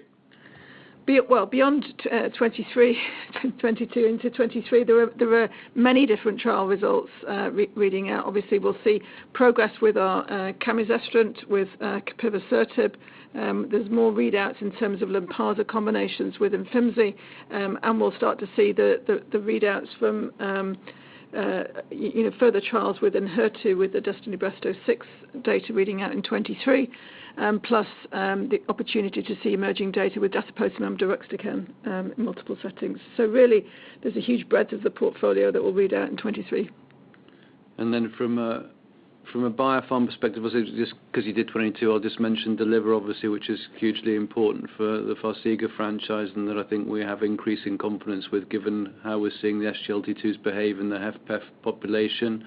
Well, beyond 2023, 2020 into 2023, there are many different trial results reading out. Obviously, we'll see progress with camizestrant, with capivasertib. There's more readouts in terms of Lynparza combinations with Imfinzi. We'll start to see the readouts from you know, further trials with Enhertu with the DESTINY-Breast06 data reading out in 2023, plus the opportunity to see emerging data with datopotamab deruxtecan in multiple settings. Really, there's a huge breadth of the portfolio that will read out in 2023. From a biopharm perspective, just because you did 2022, I'll just mention DELIVER, obviously, which is hugely important for the Farxiga franchise, and that I think we have increasing confidence with, given how we're seeing the SGLT2s behave in the HFpEF population.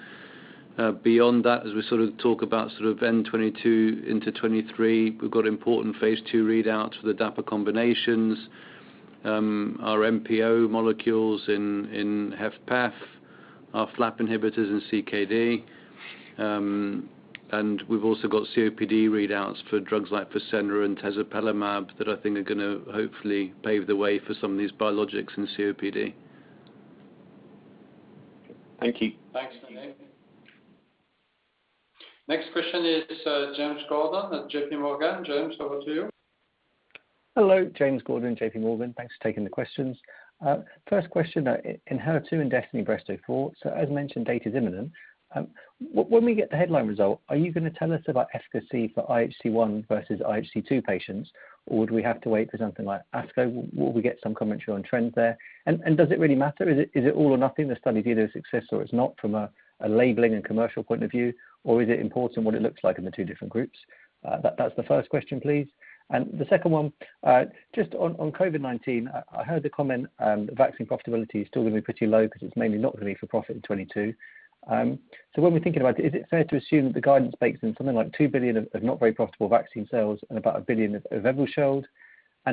Beyond that, as we sort of talk about sort of end 2022 into 2023, we've got important phase II readouts for the dapa combinations, our MPO molecules in HFpEF, our FLAP inhibitors in CKD. We've also got COPD readouts for drugs like PT027 and tezepelumab that I think are gonna hopefully pave the way for some of these biologics in COPD. Thank you. Thanks, Sachin. Next question is, James Gordon at JPMorgan. James, over to you. Hello. James Gordon, JPMorgan. Thanks for taking the questions. First question, in Enhertu and DESTINY-Breast04, as mentioned, data's imminent. When we get the headline result, are you gonna tell us about efficacy for IHC 1 versus IHC 2 patients, or would we have to wait for something like ASCO? Will we get some commentary on trends there? Does it really matter? Is it all or nothing? The study either is success or is not from a labeling and commercial point of view, or is it important what it looks like in the two different groups? That's the first question, please. The second one, just on COVID-19, I heard the comment that vaccine profitability is still gonna be pretty low because it's mainly not gonna be for profit in 2022. When we're thinking about it, is it fair to assume that the guidance bakes in something like $2 billion of not very profitable vaccine sales and about $1 billion of Evusheld?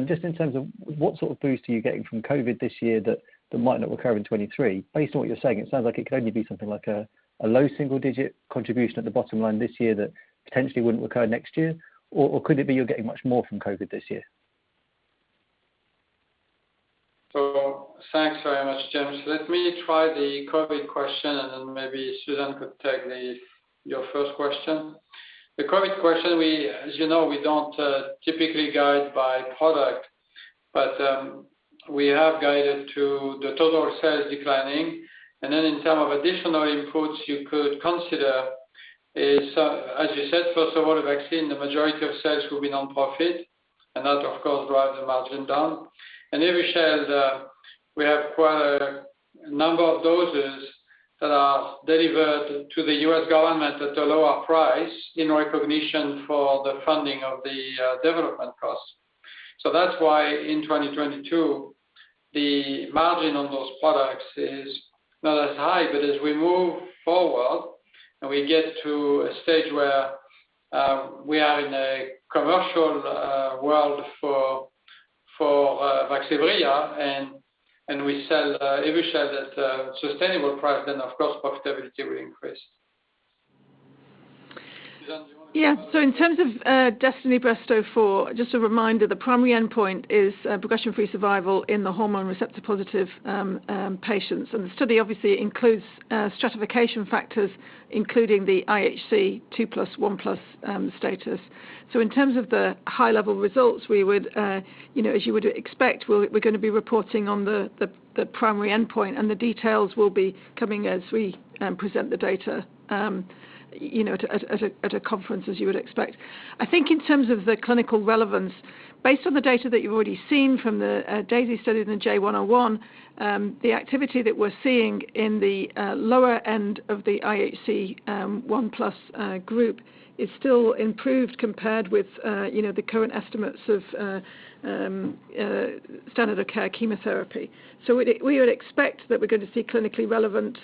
Just in terms of what sort of boost are you getting from COVID this year that might not recur in 2023? Based on what you're saying, it sounds like it could only be something like a low single-digit contribution at the bottom line this year that potentially wouldn't recur next year. Or could it be you're getting much more from COVID this year? Thanks very much, James. Let me try the COVID question, and then maybe Susan could take your first question. The COVID question, we, as you know, don't typically guide by product. We have guided to the total sales declining. In terms of additional inputs you could consider is, as you said, first of all, the vaccine, the majority of sales will be nonprofit, and that, of course, drive the margin down. Evusheld, we have quite a number of doses that are delivered to the U.S. government at a lower price in recognition for the funding of the development costs. That's why, in 2022, the margin on those products is not as high. As we move forward, and we get to a stage where we are in a commercial world for Vaxzevria, and we sell Evusheld at a sustainable price, then of course profitability will increase. Susan, do you wanna go? Yeah. In terms of DESTINY-Breast04, just a reminder, the primary endpoint is progression-free survival in the hormone receptor positive patients. The study obviously includes stratification factors, including the IHC 2+, 1+ status. In terms of the high-level results, we would, you know, as you would expect, we're gonna be reporting on the primary endpoint. The details will be coming as we present the data, you know, at a conference, as you would expect. I think in terms of the clinical relevance, based on the data that you've already seen from the DAISY studies and the J101, the activity that we're seeing in the lower end of the IHC one plus group is still improved compared with you know the current estimates of standard of care chemotherapy. So we would expect that we're going to see clinically relevant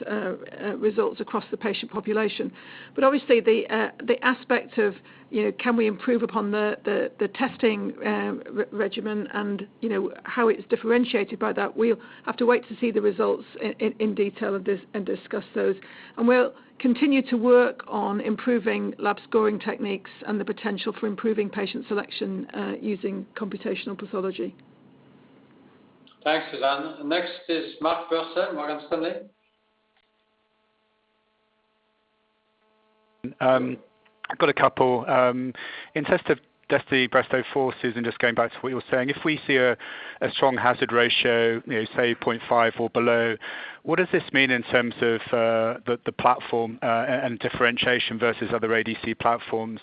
results across the patient population. But obviously the aspect of you know can we improve upon the testing regimen and you know how it's differentiated by that, we'll have to wait to see the results in detail of this and discuss those. We'll continue to work on improving lab scoring techniques and the potential for improving patient selection using computational pathology. Thanks, Susan. Next is Mark Purcell, Morgan Stanley. I've got a couple. In the DESTINY-Breast04, Susan, just going back to what you were saying. If we see a strong hazard ratio, you know, say 0.5 or below, what does this mean in terms of the platform and differentiation versus other ADC platforms?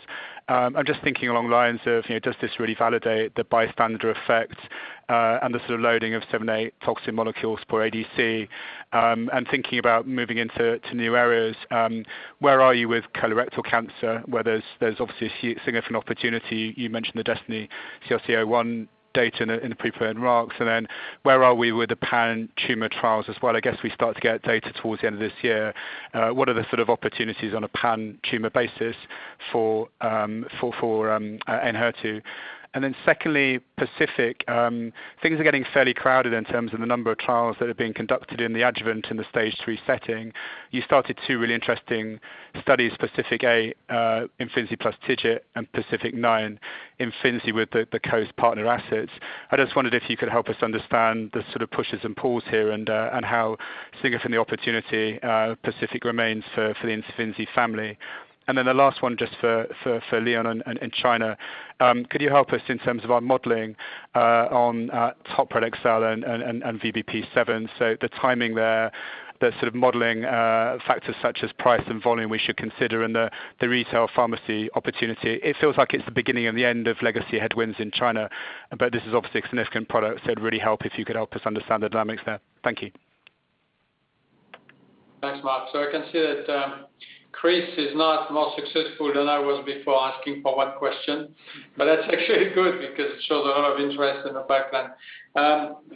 I'm just thinking along the lines of, you know, does this really validate the bystander effect and the sort of loading of seven to eight toxin molecules per ADC. Thinking about moving into new areas, where are you with colorectal cancer, where there's obviously a significant opportunity. You mentioned the DESTINY-CRC01 data in the prepared remarks. Where are we with the pan-tumor trials as well? I guess we start to get data towards the end of this year. What are the sort of opportunities on a pan-tumor basis for Enhertu? Secondly, PACIFIC, things are getting fairly crowded in terms of the number of trials that are being conducted in the adjuvant in the Stage III setting. You started two really interesting studies, PACIFIC-8, Imfinzi plus TIGIT, and PACIFIC-9 Imfinzi with the COAST partner assets. I just wondered if you could help us understand the sort of pushes and pulls here, and how significant the opportunity PACIFIC remains for the Imfinzi family. The last one just for Leon in China. Could you help us in terms of our modeling on Tagrisso product sales and VBP 7. The timing there, the sort of modeling, factors such as price and volume we should consider and the retail pharmacy opportunity. It feels like it's the beginning of the end of legacy headwinds in China, but this is obviously a significant product, so it'd really help if you could help us understand the dynamics there. Thank you. Thanks, Mark. I can see that Chris is not more successful than I was before asking for one question, but that's actually good because it shows a lot of interest in the pipeline.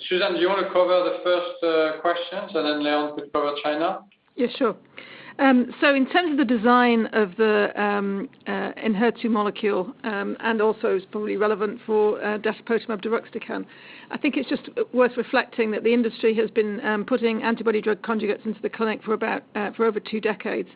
Susan, do you wanna cover the first questions and then Leon could cover China? Yeah, sure. In terms of the design of the Enhertu molecule, and also it's probably relevant for datopotamab deruxtecan, I think it's just worth reflecting that the industry has been putting antibody drug conjugates into the clinic for about for over two decades.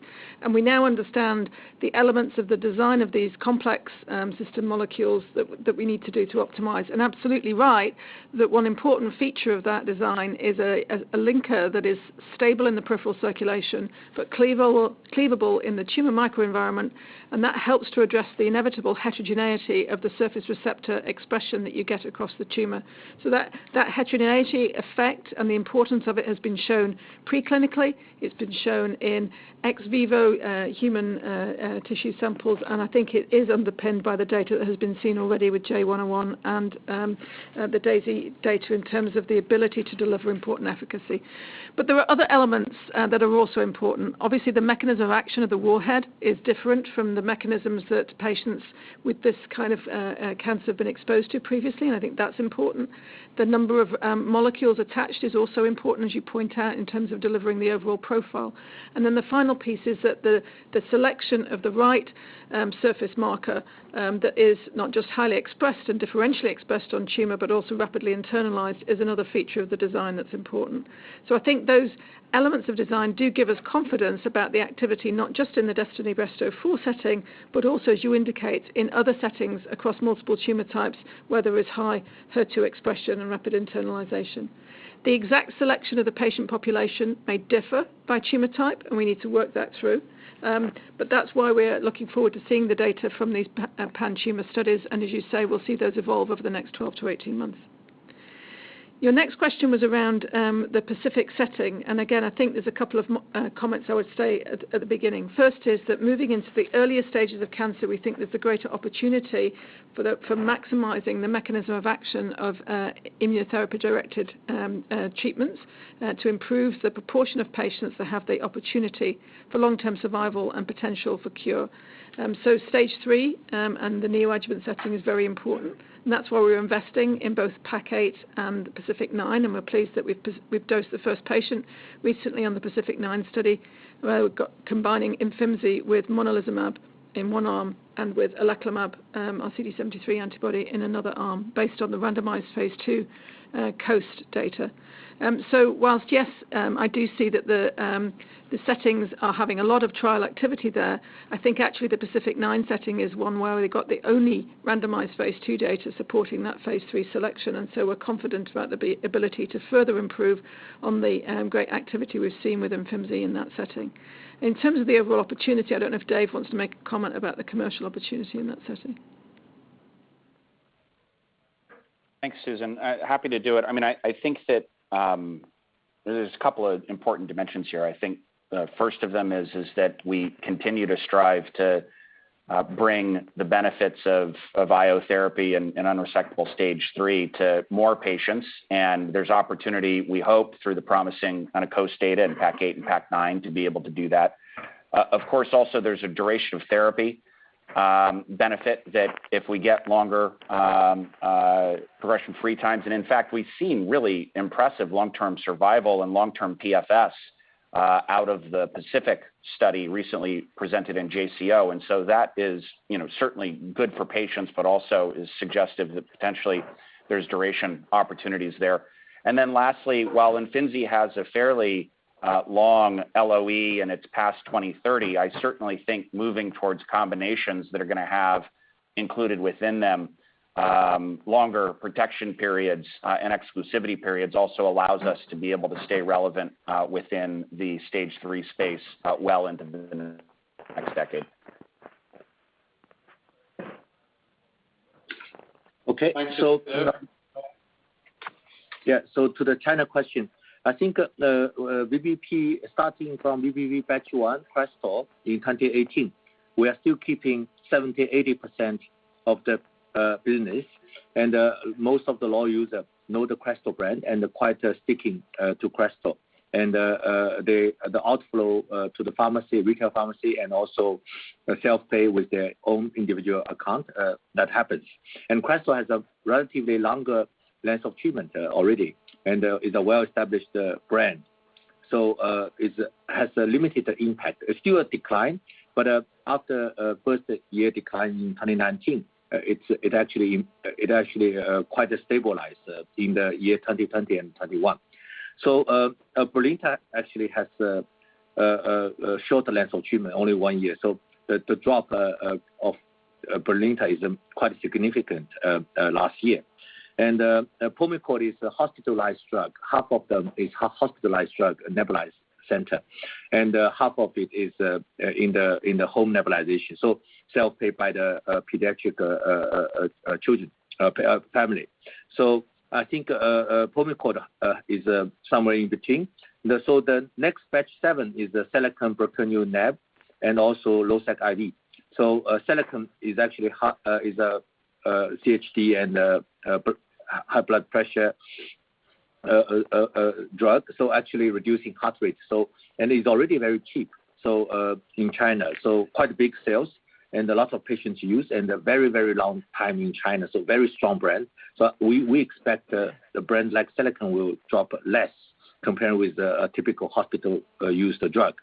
We now understand the elements of the design of these complex systemic molecules that we need to do to optimize. Absolutely right, that one important feature of that design is a linker that is stable in the peripheral circulation, but cleavable in the tumor microenvironment, and that helps to address the inevitable heterogeneity of the surface receptor expression that you get across the tumor. That heterogeneity effect and the importance of it has been shown preclinically. It's been shown in ex vivo human tissue samples. I think it is underpinned by the data that has been seen already with J101 and the DAISY data in terms of the ability to deliver important efficacy. There are other elements that are also important. Obviously, the mechanism of action of the warhead is different from the mechanisms that patients with this kind of cancer have been exposed to previously, and I think that's important. The number of molecules attached is also important, as you point out, in terms of delivering the overall profile. Then the final piece is that the selection of the right surface marker that is not just highly expressed and differentially expressed on tumor, but also rapidly internalized, is another feature of the design that's important. I think those elements of design do give us confidence about the activity, not just in the DESTINY-Breast04 setting, but also, as you indicate, in other settings across multiple tumor types where there is high HER2 expression and rapid internalization. The exact selection of the patient population may differ by tumor type, and we need to work that through. That's why we're looking forward to seeing the data from these pan-tumor studies, and as you say, we'll see those evolve over the next 12-18 months. Your next question was around the PACIFIC setting. Again, I think there's a couple of comments I would say at the beginning. First is that moving into the earlier stages of cancer, we think there's a greater opportunity for maximizing the mechanism of action of immunotherapy-directed treatments to improve the proportion of patients that have the opportunity for long-term survival and potential for cure. Stage three and the neoadjuvant setting is very important, and that's why we're investing in both PACIFIC-8 and PACIFIC-9, and we're pleased that we've dosed the first patient recently on the PACIFIC-9 study, where we've got combining Imfinzi with monalizumab in one arm and with oleclumab, our CD73 antibody in another arm based on the randomized phase II COAST data. While, yes, I do see that the settings are having a lot of trial activity there, I think actually the PACIFIC-9 setting is one where we've got the only randomized phase II data supporting that phase III selection, and we're confident about the ability to further improve on the great activity we've seen with Imfinzi in that setting. In terms of the overall opportunity, I don't know if Dave wants to make a comment about the commercial opportunity in that setting. Thanks, Susan. Happy to do it. I mean, I think that there's a couple of important dimensions here. I think the first of them is that we continue to strive to bring the benefits of IO therapy in unresectable stage III to more patients, and there's opportunity, we hope, through the promising COAST data in PACIFIC-8 and PACIFIC-9 to be able to do that. Of course, also there's a duration of therapy benefit that if we get longer progression-free times, and in fact, we've seen really impressive long-term survival and long-term PFS out of the PACIFIC study recently presented in JCO. That is, you know, certainly good for patients, but also is suggestive that potentially there's duration opportunities there. Lastly, while Imfinzi has a fairly long LOE and it's past 2030, I certainly think moving towards combinations that are gonna have included within them, longer protection periods, and exclusivity periods also allows us to be able to stay relevant, within the Stage III space, well into the next decade. Okay. Thank you. Yeah. To the China question, I think the VBP starting from VBP batch 1, Crestor in 2018, we are still keeping 70%-80% of the business. Most of the loyal user know the Crestor brand and they're quite sticking to Crestor. The outflow to the pharmacy, retail pharmacy and also self-pay with their own individual account, that happens. Crestor has a relatively longer length of treatment already and is a well-established brand. It has a limited impact. It's still a decline, but after a first year decline in 2019, it actually quite stabilized in the year 2020 and 2021. Brilinta actually has a shorter length of treatment, only one year. The drop of Brilinta is quite significant last year. Pulmicort is a hospitalized drug. Half of them is hospitalized drug, nebulized center, and half of it is in the home nebulization, so self-paid by the pediatric children family. I think Pulmicort is somewhere in between. The next batch seven is the Seloken Bricanyl neb and also Losec IV. Seloken is actually a CHD and a high blood pressure drug, so actually reducing heart rate. It's already very cheap in China, so quite big sales and a lot of patients use and a very long time in China, so very strong brand. We expect the brand like Seloken will drop less compared with the typical hospital-use drug.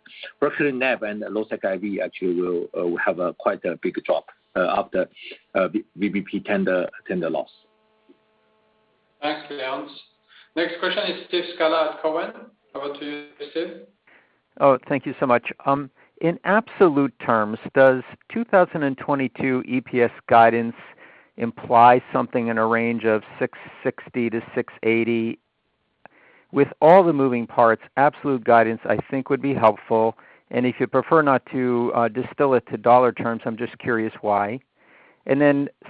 Bricanyl Respules and Losec IV actually will have quite a big drop after VBP tender loss. Thanks, Leon Wang. Next question is Steve Scala at Cowen. Over to you, Steve. Oh, thank you so much. In absolute terms, does 2022 EPS guidance imply something in a range of $6.60-$6.80? With all the moving parts, absolute guidance, I think, would be helpful. If you prefer not to distill it to dollar terms, I'm just curious why.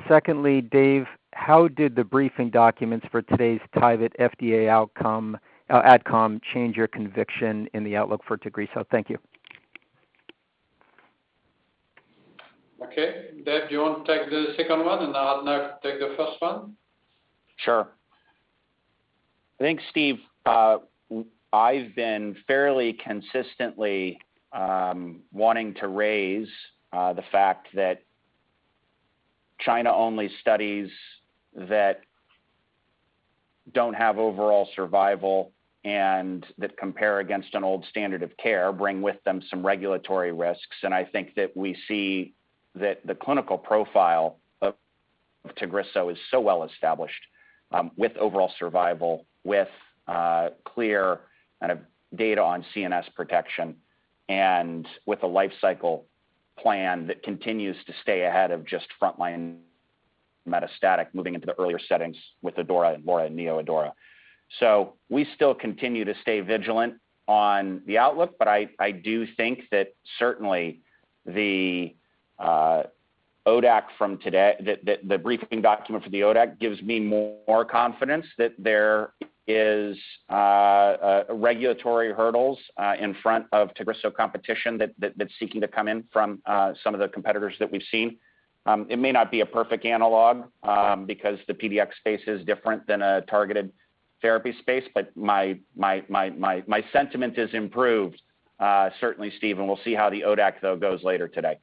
Secondly, Dave, how did the briefing documents for today's Tyvyt FDA outcome adcom change your conviction in the outlook for Tagrisso? Thank you. Okay. Dave, do you want to take the second one and Aradhana take the first one? Sure. I think, Steve, I've been fairly consistently wanting to raise the fact that China-only studies that don't have overall survival and that compare against an old standard of care bring with them some regulatory risks. I think that we see that the clinical profile of Tagrisso is so well-established with overall survival, with clear kind of data on CNS protection and with a life cycle plan that continues to stay ahead of just frontline metastatic, moving into the earlier settings with ADAURA and LAURA and NeoADAURA. We still continue to stay vigilant on the outlook, but I do think that certainly the ODAC from today, the briefing document for the ODAC gives me more confidence that there is regulatory hurdles in front of Tagrisso competition that's seeking to come in from some of the competitors that we've seen. It may not be a perfect analog, because the PD-1 space is different than a targeted therapy space, but my sentiment is improved, certainly, Steve, and we'll see how the ODAC goes later today.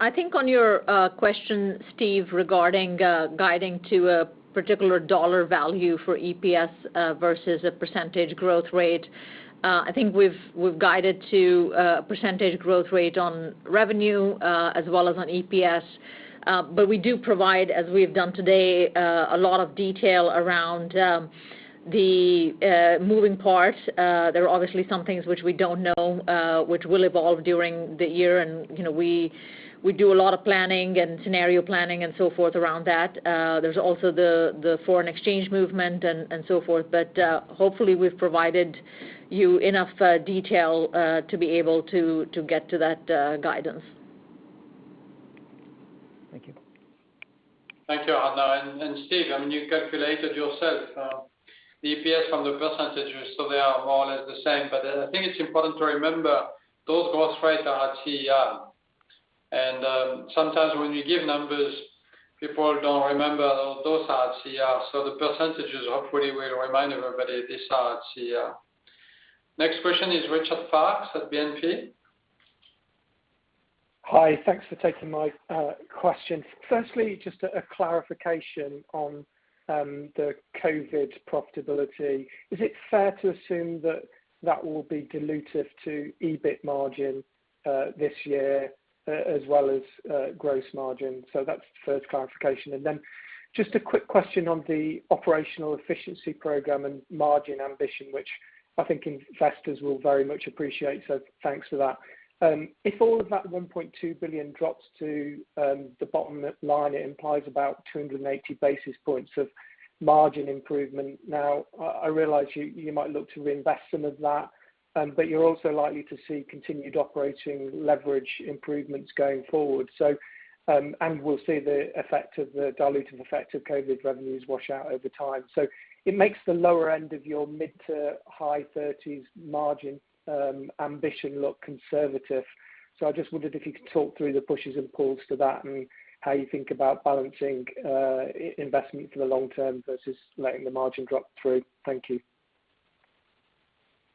I think on your question, Steve, regarding guiding to a particular dollar value for EPS versus a percentage growth rate, I think we've guided to a percentage growth rate on revenue as well as on EPS. We do provide, as we've done today, a lot of detail around the moving parts. There are obviously some things which we don't know which will evolve during the year. You know, we do a lot of planning and scenario planning and so forth around that. There's also the foreign exchange movement and so forth. Hopefully, we've provided you enough detail to be able to get to that guidance. Thank you. Thank you, Aradhana Sarin. Steve, I mean, you calculated yourself the EPS from the percentages, so they are more or less the same. I think it's important to remember those growth rates are at CER. Sometimes when you give numbers, people don't remember those are at CER, so the percentages hopefully will remind everybody these are at CER. Next question is Richard Parkes at BNP. Hi. Thanks for taking my question. Firstly, just a clarification on the COVID profitability, is it fair to assume that that will be dilutive to EBIT margin this year as well as gross margin? That's the first clarification. Just a quick question on the operational efficiency program and margin ambition, which I think investors will very much appreciate, so thanks for that. If all of that $1.2 billion drops to the bottom line, it implies about 280 basis points of margin improvement. Now, I realize you might look to reinvest some of that, but you're also likely to see continued operating leverage improvements going forward. We'll see the effect of the dilutive effect of COVID revenues wash out over time. It makes the lower end of your mid- to high-30s margin ambition look conservative. I just wondered if you could talk through the pushes and pulls to that and how you think about balancing investment for the long term versus letting the margin drop through. Thank you.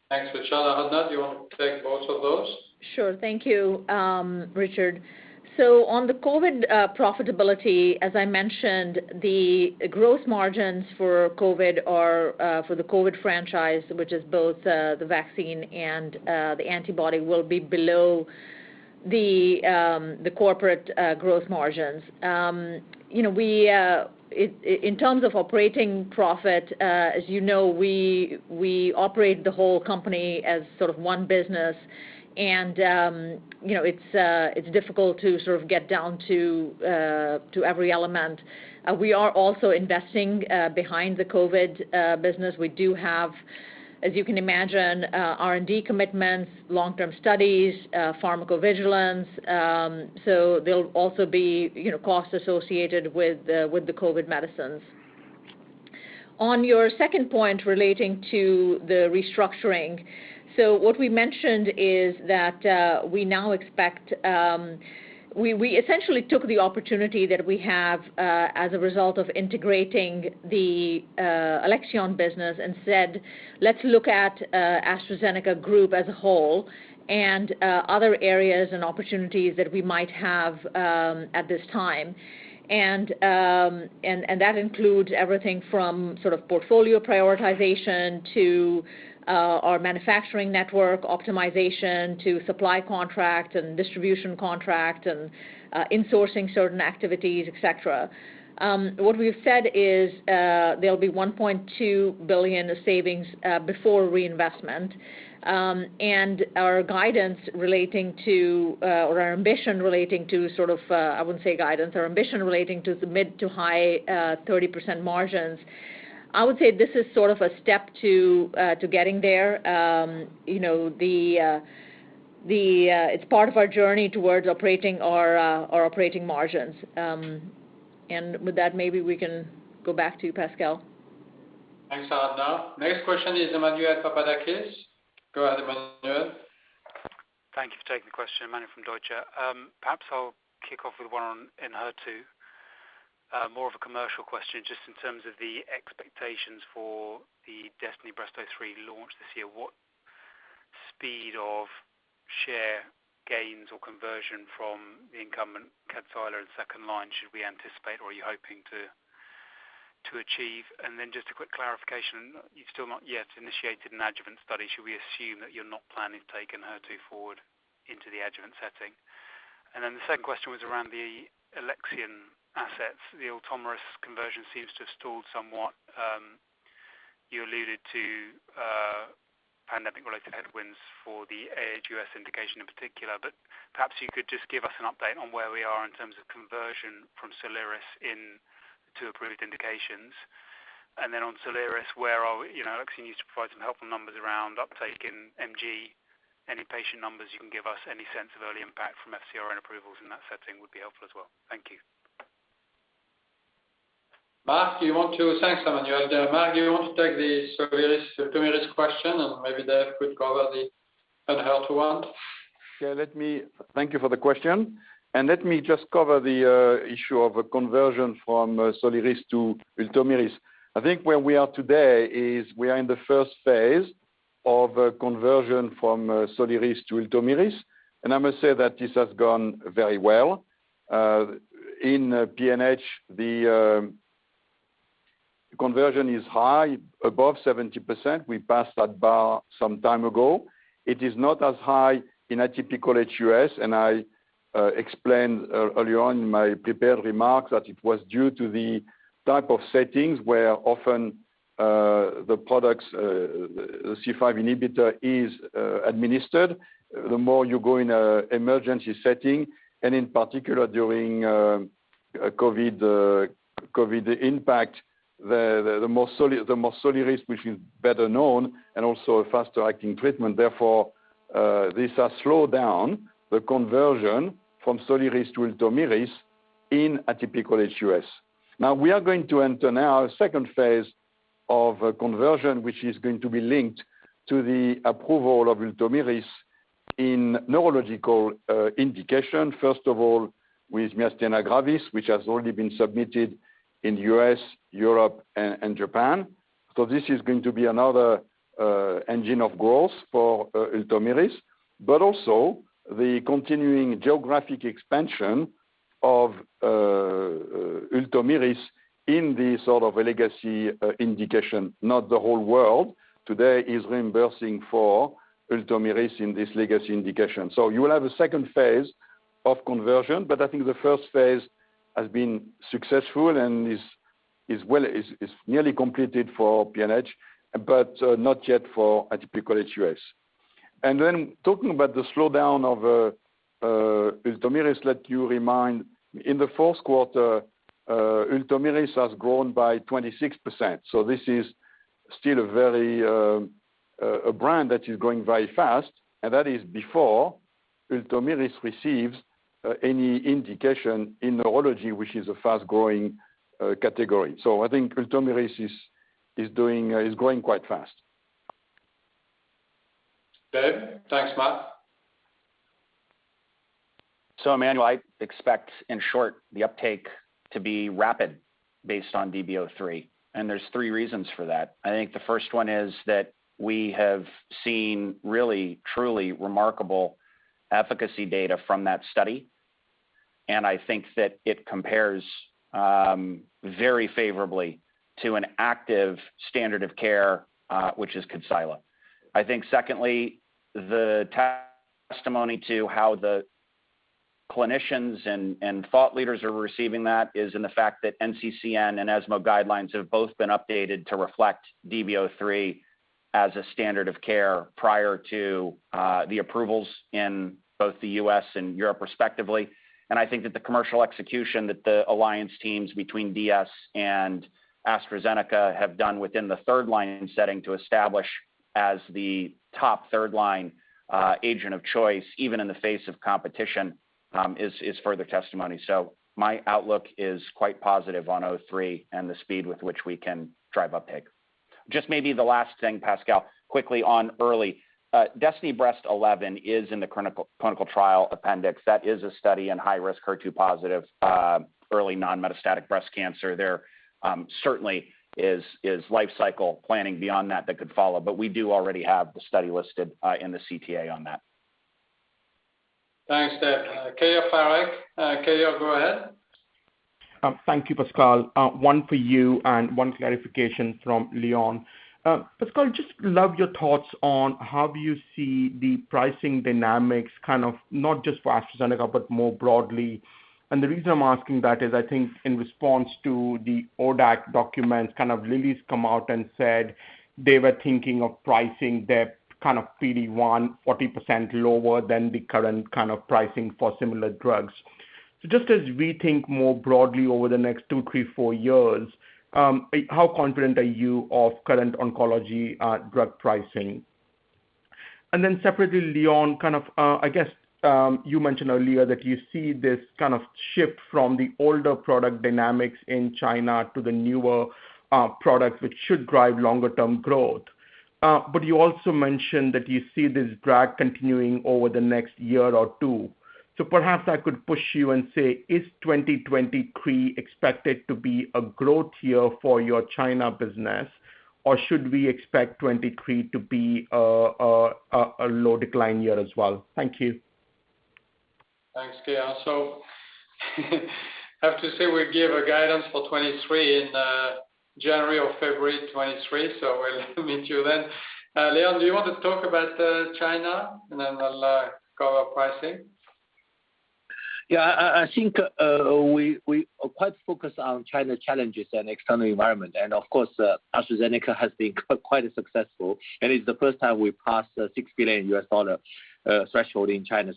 Thanks, Richard. Aradhana, do you want to take both of those? Sure. Thank you, Richard. On the COVID profitability, as I mentioned, the gross margins for the COVID franchise, which is both the vaccine and the antibody, will be below the corporate gross margins. You know, in terms of operating profit, as you know, we operate the whole company as sort of one business and you know, it's difficult to sort of get down to every element. We are also investing behind the COVID business. We do have, as you can imagine, R&D commitments, long-term studies, pharmacovigilance. There'll be, you know, costs associated with the COVID medicines. On your second point relating to the restructuring, what we mentioned is that we now expect we essentially took the opportunity that we have as a result of integrating the Alexion business and said, "Let's look at AstraZeneca group as a whole and other areas and opportunities that we might have at this time." That includes everything from sort of portfolio prioritization to our manufacturing network optimization to supply contract and distribution contract and insourcing certain activities, et cetera. What we've said is there'll be $1.2 billion of savings before reinvestment. Our guidance relating to, or our ambition relating to sort of, I wouldn't say guidance, our ambition relating to the mid- to high 30% margins, I would say this is sort of a step to getting there. You know, it's part of our journey towards our operating margins. With that, maybe we can go back to you, Pascal. Thanks, Aradhana. Next question is Emmanuel Papadakis. Go ahead, Emmanuel. Thank you for taking the question. Emmanuel from Deutsche Bank. Perhaps I'll kick off with one on Enhertu. More of a commercial question, just in terms of the expectations for the DESTINY-Breast03 launch this year. What speed of share gains or conversion from the incumbent Kadcyla in second line should we anticipate or are you hoping to achieve? And then just a quick clarification. You've still not yet initiated an adjuvant study. Should we assume that you're not planning to take Enhertu forward into the adjuvant setting? And then the second question was around the Alexion assets. The Ultomiris conversion seems to have stalled somewhat. You alluded to pandemic-related headwinds for the aHUS indication in particular. But perhaps you could just give us an update on where we are in terms of conversion from Soliris into approved indications. on Soliris, where are we? You know, Alexion needs to provide some helpful numbers around uptake in MG. Any patient numbers you can give us, any sense of early impact from FCR and approvals in that setting would be helpful as well. Thank you. Thanks, Emmanuel. Marc, you want to take the Soliris, Ultomiris question, and maybe Dave could cover the Enhertu one? Thank you for the question. Let me just cover the issue of conversion from Soliris to Ultomiris. I think where we are today is we are in the first phase of conversion from Soliris to Ultomiris, and I must say that this has gone very well. In PNH, the conversion is high, above 70%. We passed that bar some time ago. It is not as high in atypical HUS, and I explained earlier on in my prepared remarks that it was due to the type of settings where often the products, the C5 inhibitor is administered, the more you go in an emergency setting. In particular, during COVID impact, the more Soliris, which is better known and also a faster-acting treatment, therefore this has slowed down the conversion from Soliris to Ultomiris in atypical HUS. Now, we are going to enter now a second phase of conversion, which is going to be linked to the approval of Ultomiris in neurological indication, first of all, with myasthenia gravis, which has already been submitted in U.S., Europe, and Japan. This is going to be another engine of growth for Ultomiris, but also the continuing geographic expansion of Ultomiris in the sort of legacy indication, not the whole world today is reimbursing for Ultomiris in this legacy indication. You will have a second phase of conversion, but I think the first phase has been successful and is nearly completed for PNH, but not yet for atypical HUS. Talking about the slowdown of Ultomiris, let me remind in the fourth quarter, Ultomiris has grown by 26%. This is still a very strong brand that is growing very fast, and that is before Ultomiris receives any indication in neurology, which is a fast-growing category. I think Ultomiris is growing quite fast. Dave? Thanks, Marc. Emmanuel, I expect, in short, the uptake to be rapid based on DB-03, and there's three reasons for that. I think the first one is that we have seen really truly remarkable efficacy data from that study. I think that it compares very favorably to an active standard of care, which is Kadcyla. I think secondly, the testimony to how the clinicians and thought leaders are receiving that is in the fact that NCCN and ESMO guidelines have both been updated to reflect DB-03 as a standard of care prior to the approvals in both the U.S. and Europe respectively. I think that the commercial execution that the alliance teams between DS and AstraZeneca have done within the third line setting to establish as the top third line agent of choice, even in the face of competition, is further testimony. My outlook is quite positive on Q3 and the speed with which we can drive uptake. Just maybe the last thing, Pascal, quickly on early. DESTINY-Breast11 is in the clinical trial appendix. That is a study in high-risk HER2-positive early non-metastatic breast cancer. There certainly is life cycle planning beyond that that could follow, but we do already have the study listed in the CTA on that. Thanks, Dave. Keyur Parekh. Keyur, go ahead. Thank you, Pascal. One for you and one clarification from Leon. Pascal, just love your thoughts on how do you see the pricing dynamics, kind of not just for AstraZeneca, but more broadly. The reason I'm asking that is I think in response to the ODAC documents, kind of Lilly's come out and said they were thinking of pricing their kind of PD-1 40% lower than the current kind of pricing for similar drugs. Just as we think more broadly over the next two, three, four years, how confident are you of current oncology drug pricing? Then separately, Leon, kind of, I guess, you mentioned earlier that you see this kind of shift from the older product dynamics in China to the newer products which should drive longer-term growth. you also mentioned that you see this drag continuing over the next year or two. Perhaps I could push you and say, is 2023 expected to be a growth year for your China business? Or should we expect 2023 to be a low decline year as well? Thank you. Thanks, Keyur. I have to say we give a guidance for 2023 in January or February 2023, so we'll meet you then. Leon, do you want to talk about China, and then I'll cover pricing? I think we are quite focused on China challenges and external environment. Of course, AstraZeneca has been quite successful, and it's the first time we passed $6 billion threshold in China.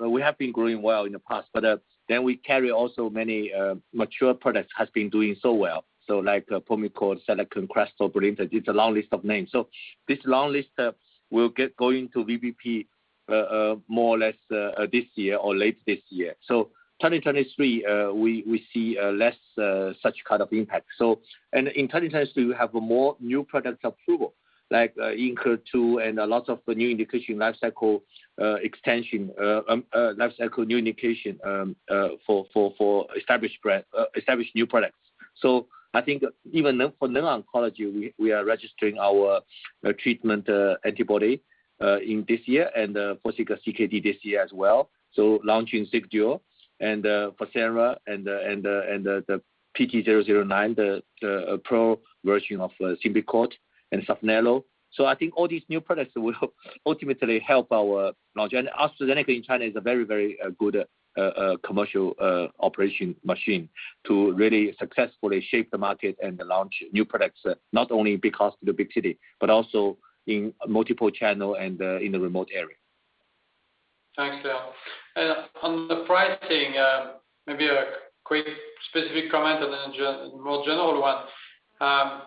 We have been growing well in the past, but then we carry also many mature products has been doing so well. Like Promacta, Seroquel, Crestor, Brilinta, it's a long list of names. This long list will get going to VBP more or less this year or late this year. 2023 we see less such kind of impact. In 2023, we have more new products approval, like Incruse, too, and a lot of new indication lifecycle extension, lifecycle new indication for established brand, established new products. I think even for new oncology, we are registering our treatment antibody in this year and Forxiga CKD this year as well. Launching Xigduo and Fasenra and the PT009, the pro version of Symbicort and Saphnelo. I think all these new products will ultimately help our launch. AstraZeneca in China is a very, very good commercial operation machine to really successfully shape the market and launch new products, not only because of the big city, but also in multiple channel and in the remote area. Thanks, Leon. On the pricing, maybe a quick specific comment and then a general one. I'm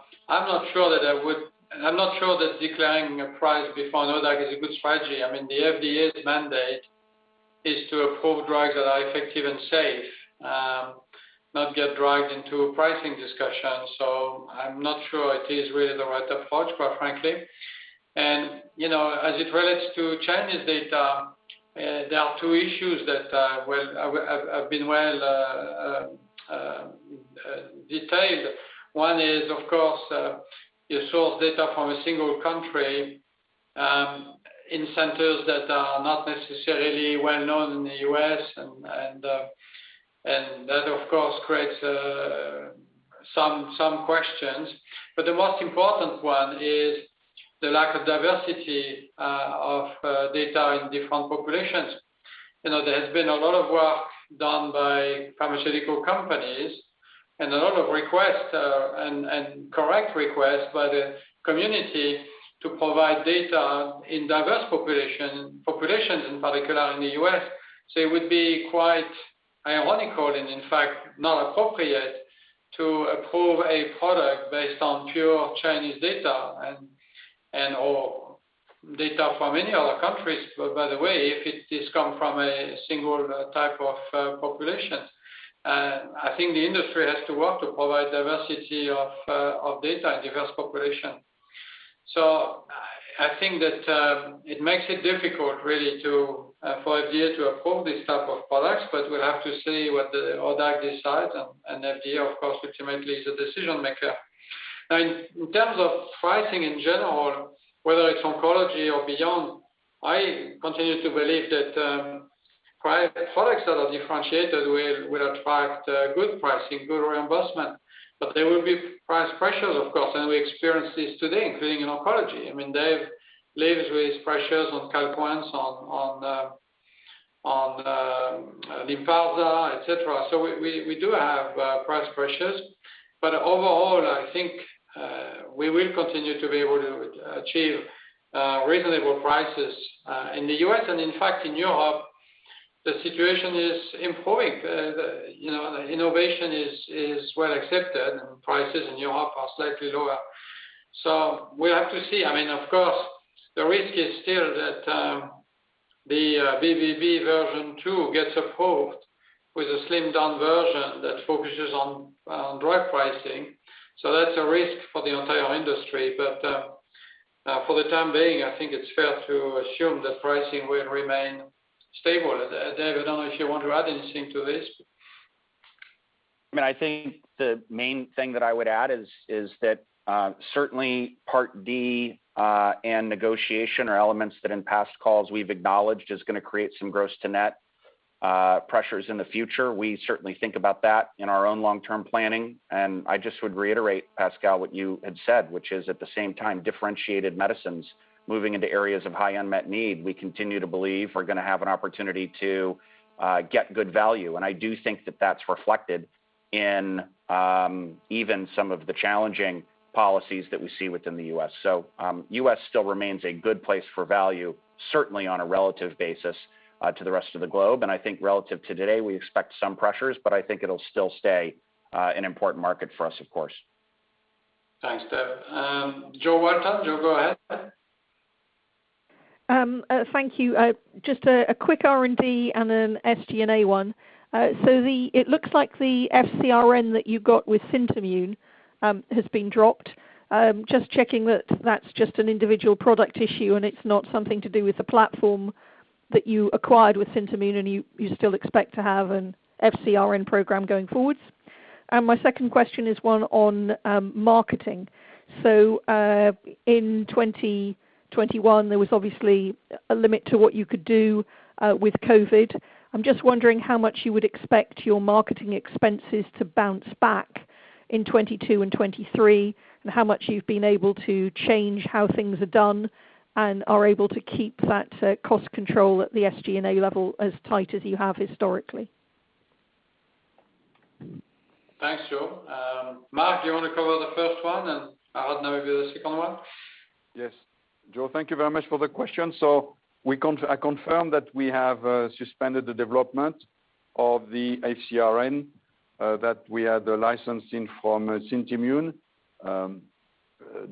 not sure that declaring a price before an ODAC is a good strategy. I mean, the FDA's mandate is to approve drugs that are effective and safe, not get drugs into a pricing discussion. So I'm not sure it is really the right approach, quite frankly. You know, as it relates to China's data. There are two issues that have been well detailed. One is, of course, you source data from a single country, in centers that are not necessarily well-known in the U.S. And that, of course, creates some questions. But the most important one is the lack of diversity of data in different populations. You know, there has been a lot of work done by pharmaceutical companies and a lot of requests and correct requests by the community to provide data in diverse populations, in particular in the US. It would be quite ironical and, in fact, not appropriate to approve a product based on pure Chinese data and/or data from any other countries, by the way, if it is come from a single type of population. I think the industry has to work to provide diversity of data in diverse population. I think that it makes it difficult really to for FDA to approve these type of products. We'll have to see what the ODAC decides, and FDA, of course, ultimately is the decision maker. Now, in terms of pricing in general, whether it's oncology or beyond, I continue to believe that products that are differentiated will attract good pricing, good reimbursement. There will be price pressures of course, and we experience this today, including in oncology. I mean, Dave lives with pressures on Calquence, on Lynparza, et cetera. We do have price pressures. Overall, I think we will continue to be able to achieve reasonable prices in the U.S. In fact, in Europe, the situation is improving. You know, the innovation is well accepted, and prices in Europe are slightly lower. We have to see. I mean, of course, the risk is still that the Build Back Better gets approved with a slimmed down version that focuses on drug pricing. That's a risk for the entire industry. For the time being, I think it's fair to assume that pricing will remain stable. Dave, I don't know if you want to add anything to this. I mean, I think the main thing that I would add is that certainly Part D and negotiation are elements that in past calls we've acknowledged is gonna create some gross to net pressures in the future. We certainly think about that in our own long-term planning. I just would reiterate, Pascal, what you had said, which is at the same time differentiated medicines moving into areas of high unmet need, we continue to believe we're gonna have an opportunity to get good value. I do think that that's reflected in even some of the challenging policies that we see within the U.S. U.S. still remains a good place for value, certainly on a relative basis to the rest of the globe. I think relative to today, we expect some pressures, but I think it'll still stay an important market for us of course. Thanks, Dave. Jo Walton. Jo, go ahead. Thank you. Just a quick R&D and an SG&A one. It looks like the FcRn that you got with Syntimmune has been dropped. Just checking that that's just an individual product issue and it's not something to do with the platform that you acquired with Syntimmune, and you still expect to have an FcRn program going forward. My second question is one on marketing. In 2021, there was obviously a limit to what you could do with COVID. I'm just wondering how much you would expect your marketing expenses to bounce back in 2022 and 2023, and how much you've been able to change how things are done and are able to keep that cost control at the SG&A level as tight as you have historically. Thanks, Jo. Marc, do you wanna cover the first one, and Aradhana maybe the second one? Yes. Jo, thank you very much for the question. I confirm that we have suspended the development of the FcRn that we had licensed in from Syntimmune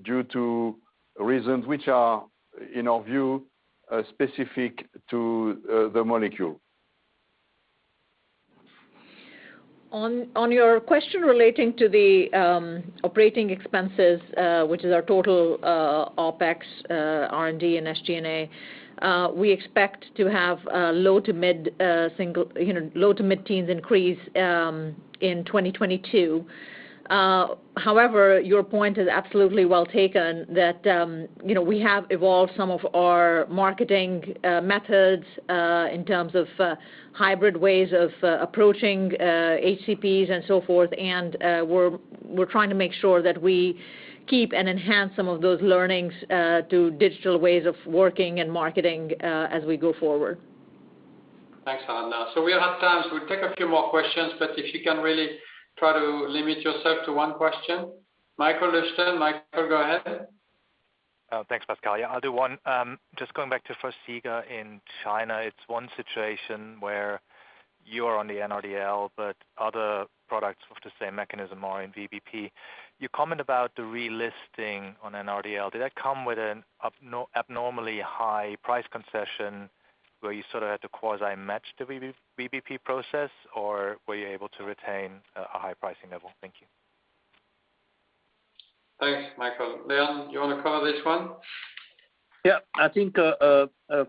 due to reasons which are, in our view, specific to the molecule. On your question relating to the operating expenses, which is our total OpEx, R&D and SG&A, we expect to have a low to mid-teens increase in 2022. However, your point is absolutely well taken that, you know, we have evolved some of our marketing methods in terms of hybrid ways of approaching HCPs and so forth. We're trying to make sure that we keep and enhance some of those learnings to digital ways of working and marketing as we go forward. Thanks, Aradhana. Now we have time. We take a few more questions, but if you can really try to limit yourself to one question. Michael Leuchten. Michael, go ahead. Thanks, Pascal. Yeah, I'll do one. Just going back to Farxiga in China. It's one situation where you are on the NRDL, but other products of the same mechanism are in VBP. You comment about the relisting on NRDL. Did that come with an abnormally high price concession, where you sort of had to quasi match the VBP process, or were you able to retain a high pricing level? Thank you. Thanks, Michael. Leon, you want to cover this one? Yeah. I think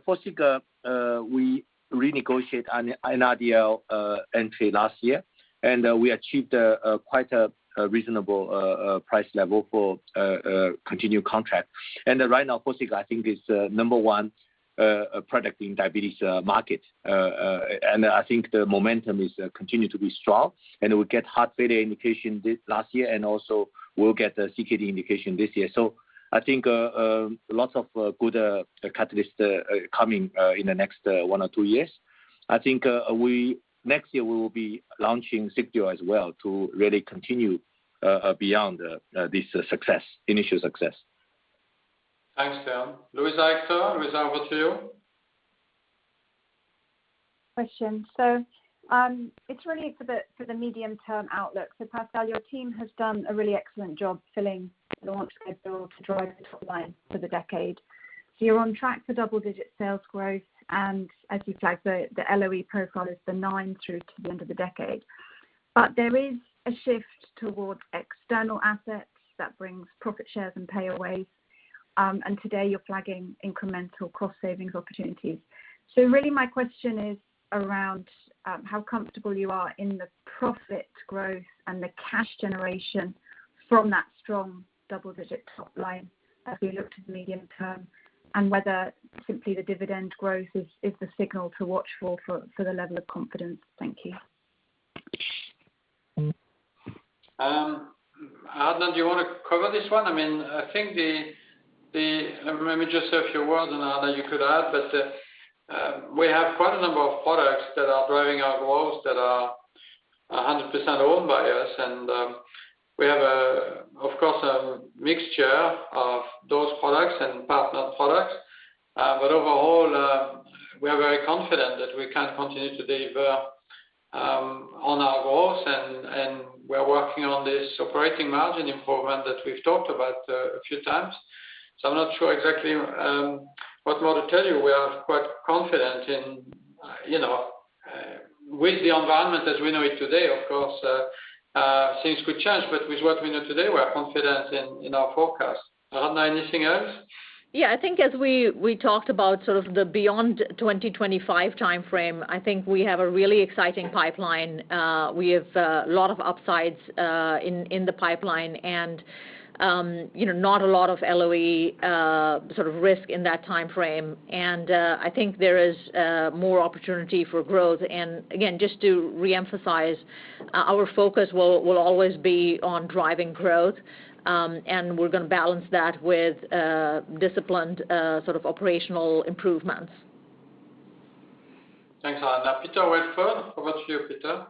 Forxiga, we renegotiate an NRDL entry last year, and we achieved a quite reasonable price level for continued contract. Right now, Forxiga, I think, is the number one product in diabetes market. I think the momentum is continuing to be strong, and it will get heart failure indication this last year, and also we'll get the CKD indication this year. I think lots of good catalysts coming in the next one or two years. I think next year, we will be launching Zypio as well to really continue beyond this initial success. Thanks, Leon. Luisa Hector, Luisa, over to you. It's really for the medium-term outlook. Pascal, your team has done a really excellent job filling the launch schedule to drive the top line for the decade. You're on track for double-digit sales growth, and as you flagged, the LOE profile is the nine through to the end of the decade. There is a shift towards external assets that brings profit shares and payaways. Today you're flagging incremental cost savings opportunities. Really, my question is around how comfortable you are in the profit growth and the cash generation from that strong double-digit top line as we look to the medium term, and whether simply the dividend growth is the signal to watch for the level of confidence. Thank you. Aradhana, do you want to cover this one? I mean, I think maybe just a few words, Aradhana, you could add, but we have quite a number of products that are driving our growth that are 100% owned by us. We have, of course, a mixture of those products and partner products. But overall, we are very confident that we can continue to deliver on our goals, and we're working on this operating margin improvement that we've talked about a few times. I'm not sure exactly what more to tell you. We are quite confident in, you know, with the environment as we know it today, of course, things could change. With what we know today, we are confident in our forecast. Aradhana, anything else? Yeah. I think as we talked about sort of the beyond 2025 timeframe, I think we have a really exciting pipeline. We have a lot of upsides in the pipeline and, you know, not a lot of LOE sort of risk in that timeframe. I think there is more opportunity for growth. Again, just to reemphasize, our focus will always be on driving growth, and we're going to balance that with disciplined sort of operational improvements. Thanks, Aradhana. Peter Welford, over to you, Peter.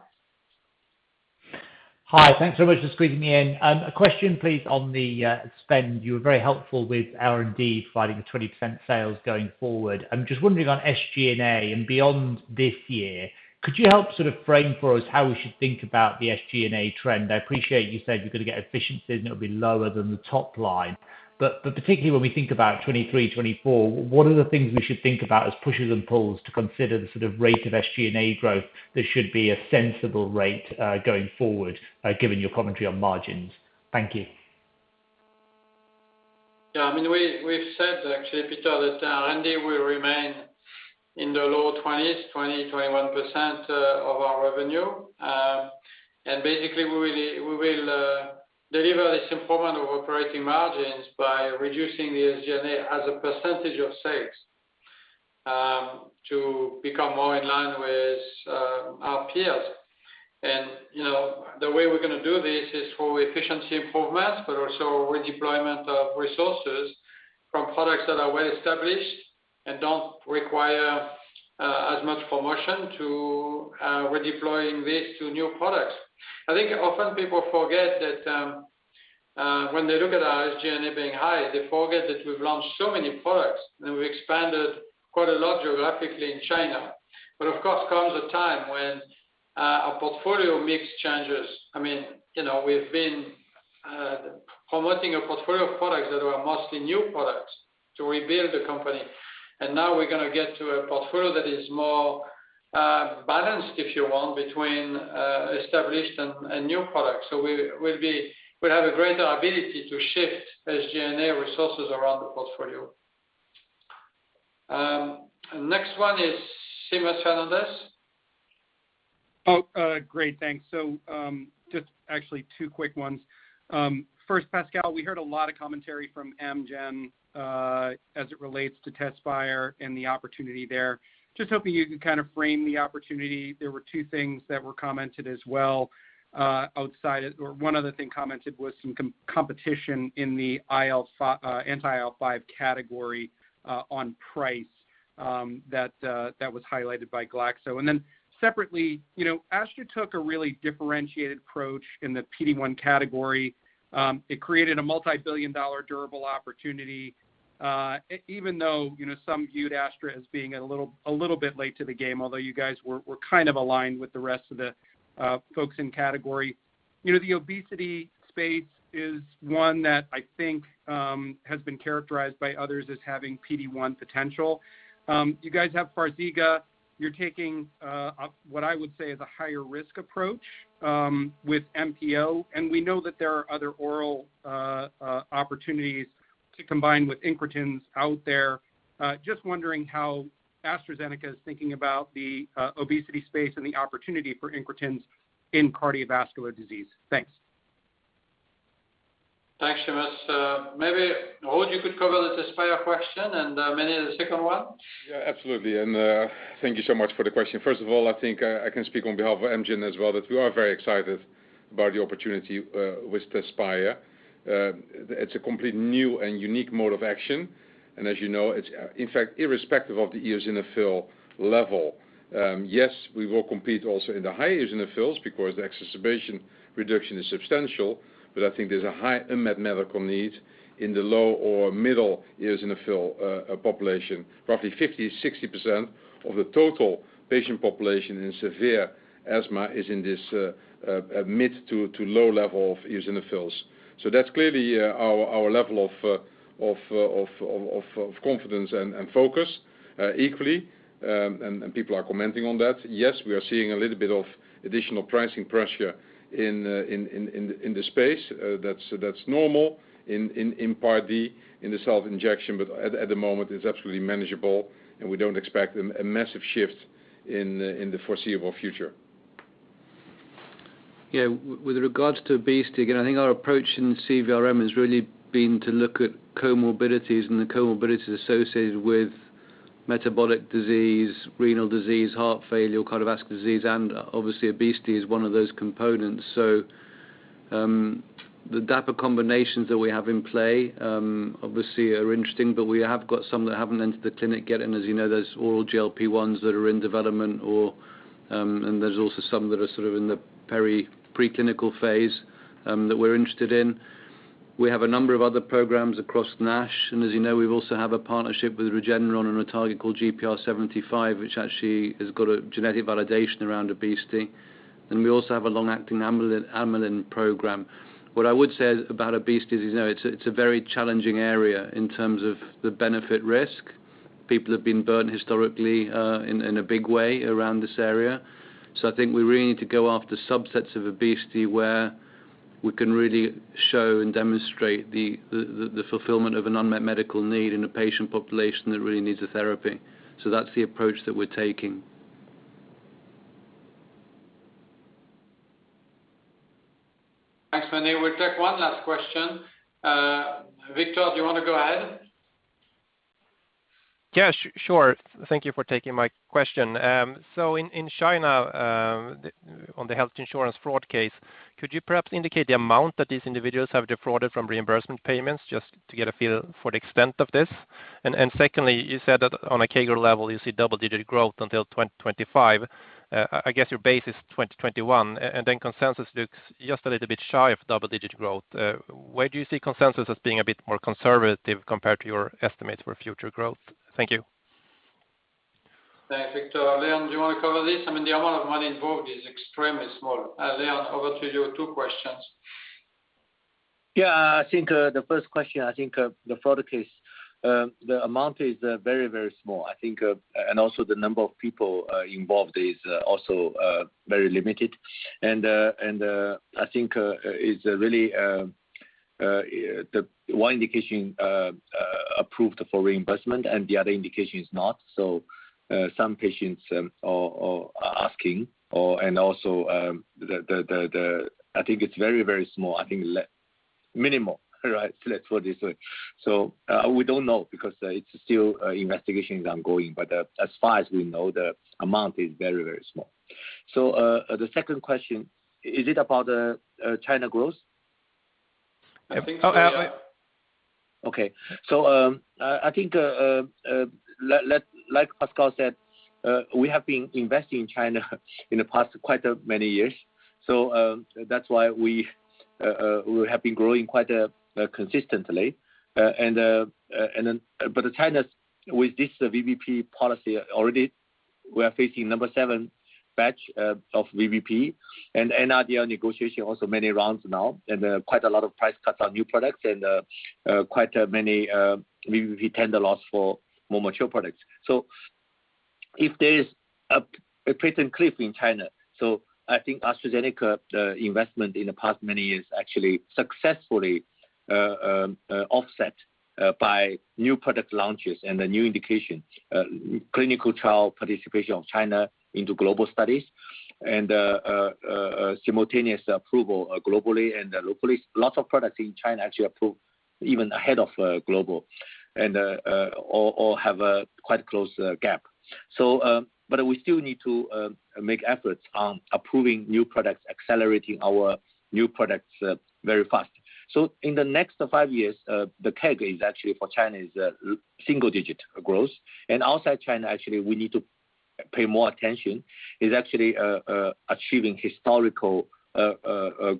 Hi. Thanks so much for squeezing me in. A question, please, on the spend. You were very helpful with R&D providing 20% sales going forward. I'm just wondering on SG&A and beyond this year, could you help sort of frame for us how we should think about the SG&A trend? I appreciate you said you're going to get efficiencies, and it'll be lower than the top line. Particularly when we think about 2023, 2024, what are the things we should think about as pushes and pulls to consider the sort of rate of SG&A growth that should be a sensible rate going forward, given your commentary on margins? Thank you. Yeah. I mean, we've said actually, Peter, that R&D will remain in the low 20s, 20-21% of our revenue. Basically, we will deliver this improvement of operating margins by reducing the SG&A as a percentage of sales to become more in line with our peers. You know, the way we're gonna do this is through efficiency improvements, but also redeployment of resources from products that are well-established and don't require as much promotion to redeploying this to new products. I think often people forget that when they look at our SG&A being high, they forget that we've launched so many products, and we expanded quite a lot geographically in China. Of course, comes a time when our portfolio mix changes. I mean, you know, we've been promoting a portfolio of products that are mostly new products to rebuild the company. Now we're gonna get to a portfolio that is more balanced, if you want, between established and new products. We'll have a greater ability to shift SG&A resources around the portfolio. Next one is Seamus Fernandez. Great. Thanks. Just actually two quick ones. First, Pascal, we heard a lot of commentary from Amgen, as it relates to Tezspire and the opportunity there. Just hoping you could kind of frame the opportunity. There were two things that were commented as well, or one other thing commented was some competition in the anti-IL-5 category, on price, that was highlighted by GlaxoSmithKline. Then separately, you know, Astra took a really differentiated approach in the PD-1 category. It created a multi-billion-dollar durable opportunity, even though, you know, some viewed Astra as being a little bit late to the game, although you guys were kind of aligned with the rest of the folks in category. You know, the obesity space is one that I think has been characterized by others as having PD-1 potential. You guys have Farxiga. You're taking what I would say is a higher risk approach with MPO, and we know that there are other oral opportunities to combine with incretins out there. Just wondering how AstraZeneca is thinking about the obesity space and the opportunity for incretins in cardiovascular disease. Thanks. Thanks, Seamus. Maybe, Ruud, you could cover the Tezspire question and, Mene, the second one. Yeah, absolutely. Thank you so much for the question. First of all, I think I can speak on behalf of Amgen as well, that we are very excited about the opportunity with Tezspire. It's a complete new and unique mode of action, and as you know, it's, in fact, irrespective of the eosinophil level. Yes, we will compete also in the high eosinophils because the exacerbation reduction is substantial, but I think there's a high unmet medical need in the low or middle eosinophil population. Roughly 50%-60% of the total patient population in severe asthma is in this mid to low level of eosinophils. So that's clearly our level of confidence and focus equally. And people are commenting on that. Yes, we are seeing a little bit of additional pricing pressure in the space. That's normal in Part D, in the self-injection. At the moment, it's absolutely manageable, and we don't expect a massive shift in the foreseeable future. Yeah. With regards to obesity, again, I think our approach in CVRM has really been to look at comorbidities and the comorbidities associated with metabolic disease, renal disease, heart failure, cardiovascular disease, and obviously, obesity is one of those components. The DAPA combinations that we have in play, obviously are interesting, but we have got some that haven't entered the clinic yet. As you know, there's oral GLP-1s that are in development or, and there's also some that are sort of in the preclinical phase, that we're interested in. We have a number of other programs across NASH, and as you know, we also have a partnership with Regeneron on a target called GPR75, which actually has got a genetic validation around obesity. We also have a long-acting amylin program. What I would say about obesity is, you know, it's a very challenging area in terms of the benefit risk. People have been burned historically in a big way around this area. I think we really need to go after subsets of obesity where we can really show and demonstrate the fulfillment of an unmet medical need in a patient population that really needs a therapy. That's the approach that we're taking. Thanks, Mene. We'll take one last question. Victor, do you wanna go ahead? Yeah, sure. Thank you for taking my question. In China, on the health insurance fraud case, could you perhaps indicate the amount that these individuals have defrauded from reimbursement payments just to get a feel for the extent of this? And secondly, you said that on a CAGR level, you see double-digit growth until 2025. I guess your base is 2021, and then consensus looks just a little bit shy of double-digit growth. Where do you see consensus as being a bit more conservative compared to your estimates for future growth? Thank you. Thanks, Victor. Leon, do you want to cover this? I mean, the amount of money involved is extremely small. Leon, over to you. Two questions. Yeah. I think the first question, I think the fraud case, the amount is very, very small. I think and also the number of people involved is also very limited. I think it is really one indication approved for reimbursement and the other indication is not. So some patients are asking or and also. I think it's very, very small. I think minimal. Right. Let's put it this way. So we don't know because it's still the investigation is ongoing, but as far as we know, the amount is very, very small. So the second question, is it about China growth? I think so, yeah. I think, as Pascal said, we have been investing in China in the past quite a many years. That's why we have been growing quite consistently. China, with this VBP policy already we are facing number seven batch of VBP, and NRDL negotiation also many rounds now, and quite a lot of price cuts on new products and quite a many VBP tender loss for more mature products. If there is a patent cliff in China, I think AstraZeneca, the investment in the past many years actually successfully offset by new product launches and the new indication, clinical trial participation of China into global studies and simultaneous approval globally and locally. Lots of products in China actually approved even ahead of global and have a quite close gap. We still need to make efforts on approving new products, accelerating our new products very fast. In the next five years, the CAGR for China is actually single-digit growth. Outside China, actually, we need to pay more attention to achieving actually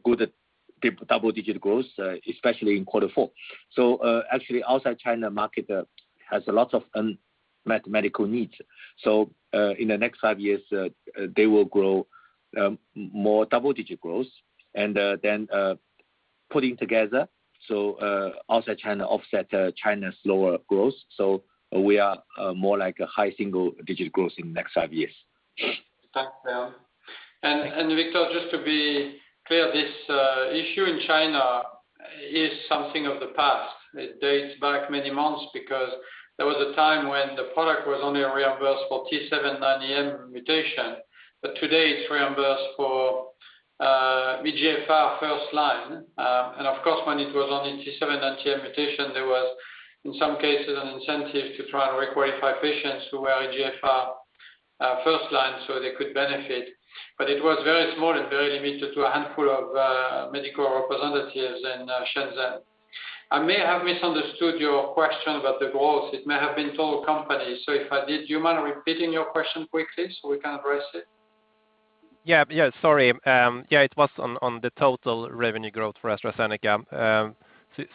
good double-digit growth, especially in quarter four. Actually, the outside China market has a lot of unmet medical needs. In the next five years, they will grow more double-digit growth and then putting together. Outside China offsets China's lower growth. We are more like high single-digit growth in the next five years. Thanks, Leon. Victor, just to be clear, this issue in China is something of the past. It dates back many months because there was a time when the product was only reimbursed for T790M mutation, but today it's reimbursed for EGFR first-line. Of course, when it was on the T790M mutation, there was, in some cases, an incentive to try and re-qualify patients who were EGFR first-line, so they could benefit. But it was very small and very limited to a handful of medical representatives in Shenzhen. I may have misunderstood your question about the growth. It may have been total company. If I did, do you mind repeating your question quickly, so we can address it? Yeah. Sorry. It was on the total revenue growth for AstraZeneca.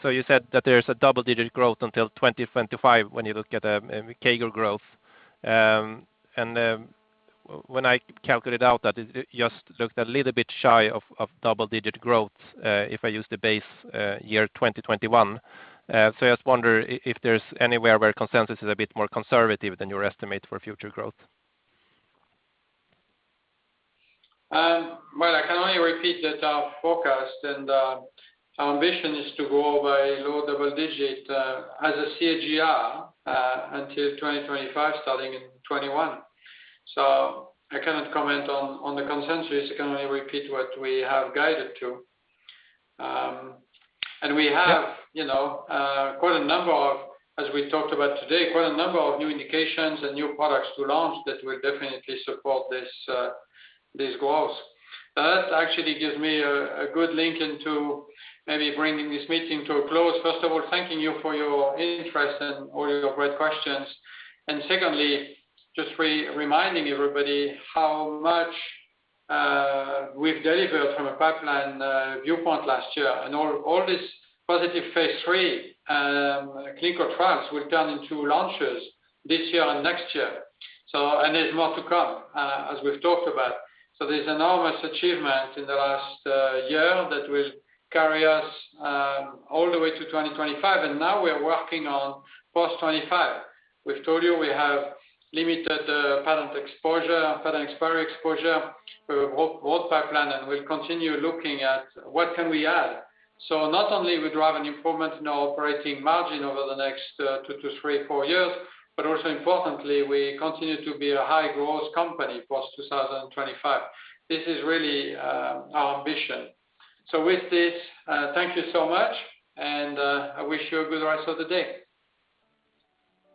So you said that there's a double-digit growth until 2025 when you look at a CAGR growth. And when I calculate out that it just looked a little bit shy of double-digit growth, if I use the base year 2021. So I just wonder if there's anywhere where consensus is a bit more conservative than your estimate for future growth. Well, I can only repeat that our forecast and our ambition is to grow by low double-digit as a CAGR until 2025, starting in 2021. I cannot comment on the consensus. I can only repeat what we have guided to. Yeah. You know, as we talked about today, quite a number of new indications and new products to launch that will definitely support these goals. Now that actually gives me a good link into maybe bringing this meeting to a close. First of all, thanking you for your interest and all your great questions. Secondly, just reminding everybody how much we've delivered from a pipeline viewpoint last year and all this positive phase III clinical trials we've done in two launches this year and next year. There's more to come, as we've talked about. There's enormous achievement in the last year that will carry us all the way to 2025. Now we're working on post-2025. We've told you we have limited patent exposure, patent expiry exposure for growth pipeline. We'll continue looking at what can we add. Not only we drive an improvement in our operating margin over the next two to three, four years, but also importantly, we continue to be a high-growth company post 2025. This is really our ambition. With this, thank you so much and I wish you a good rest of the day.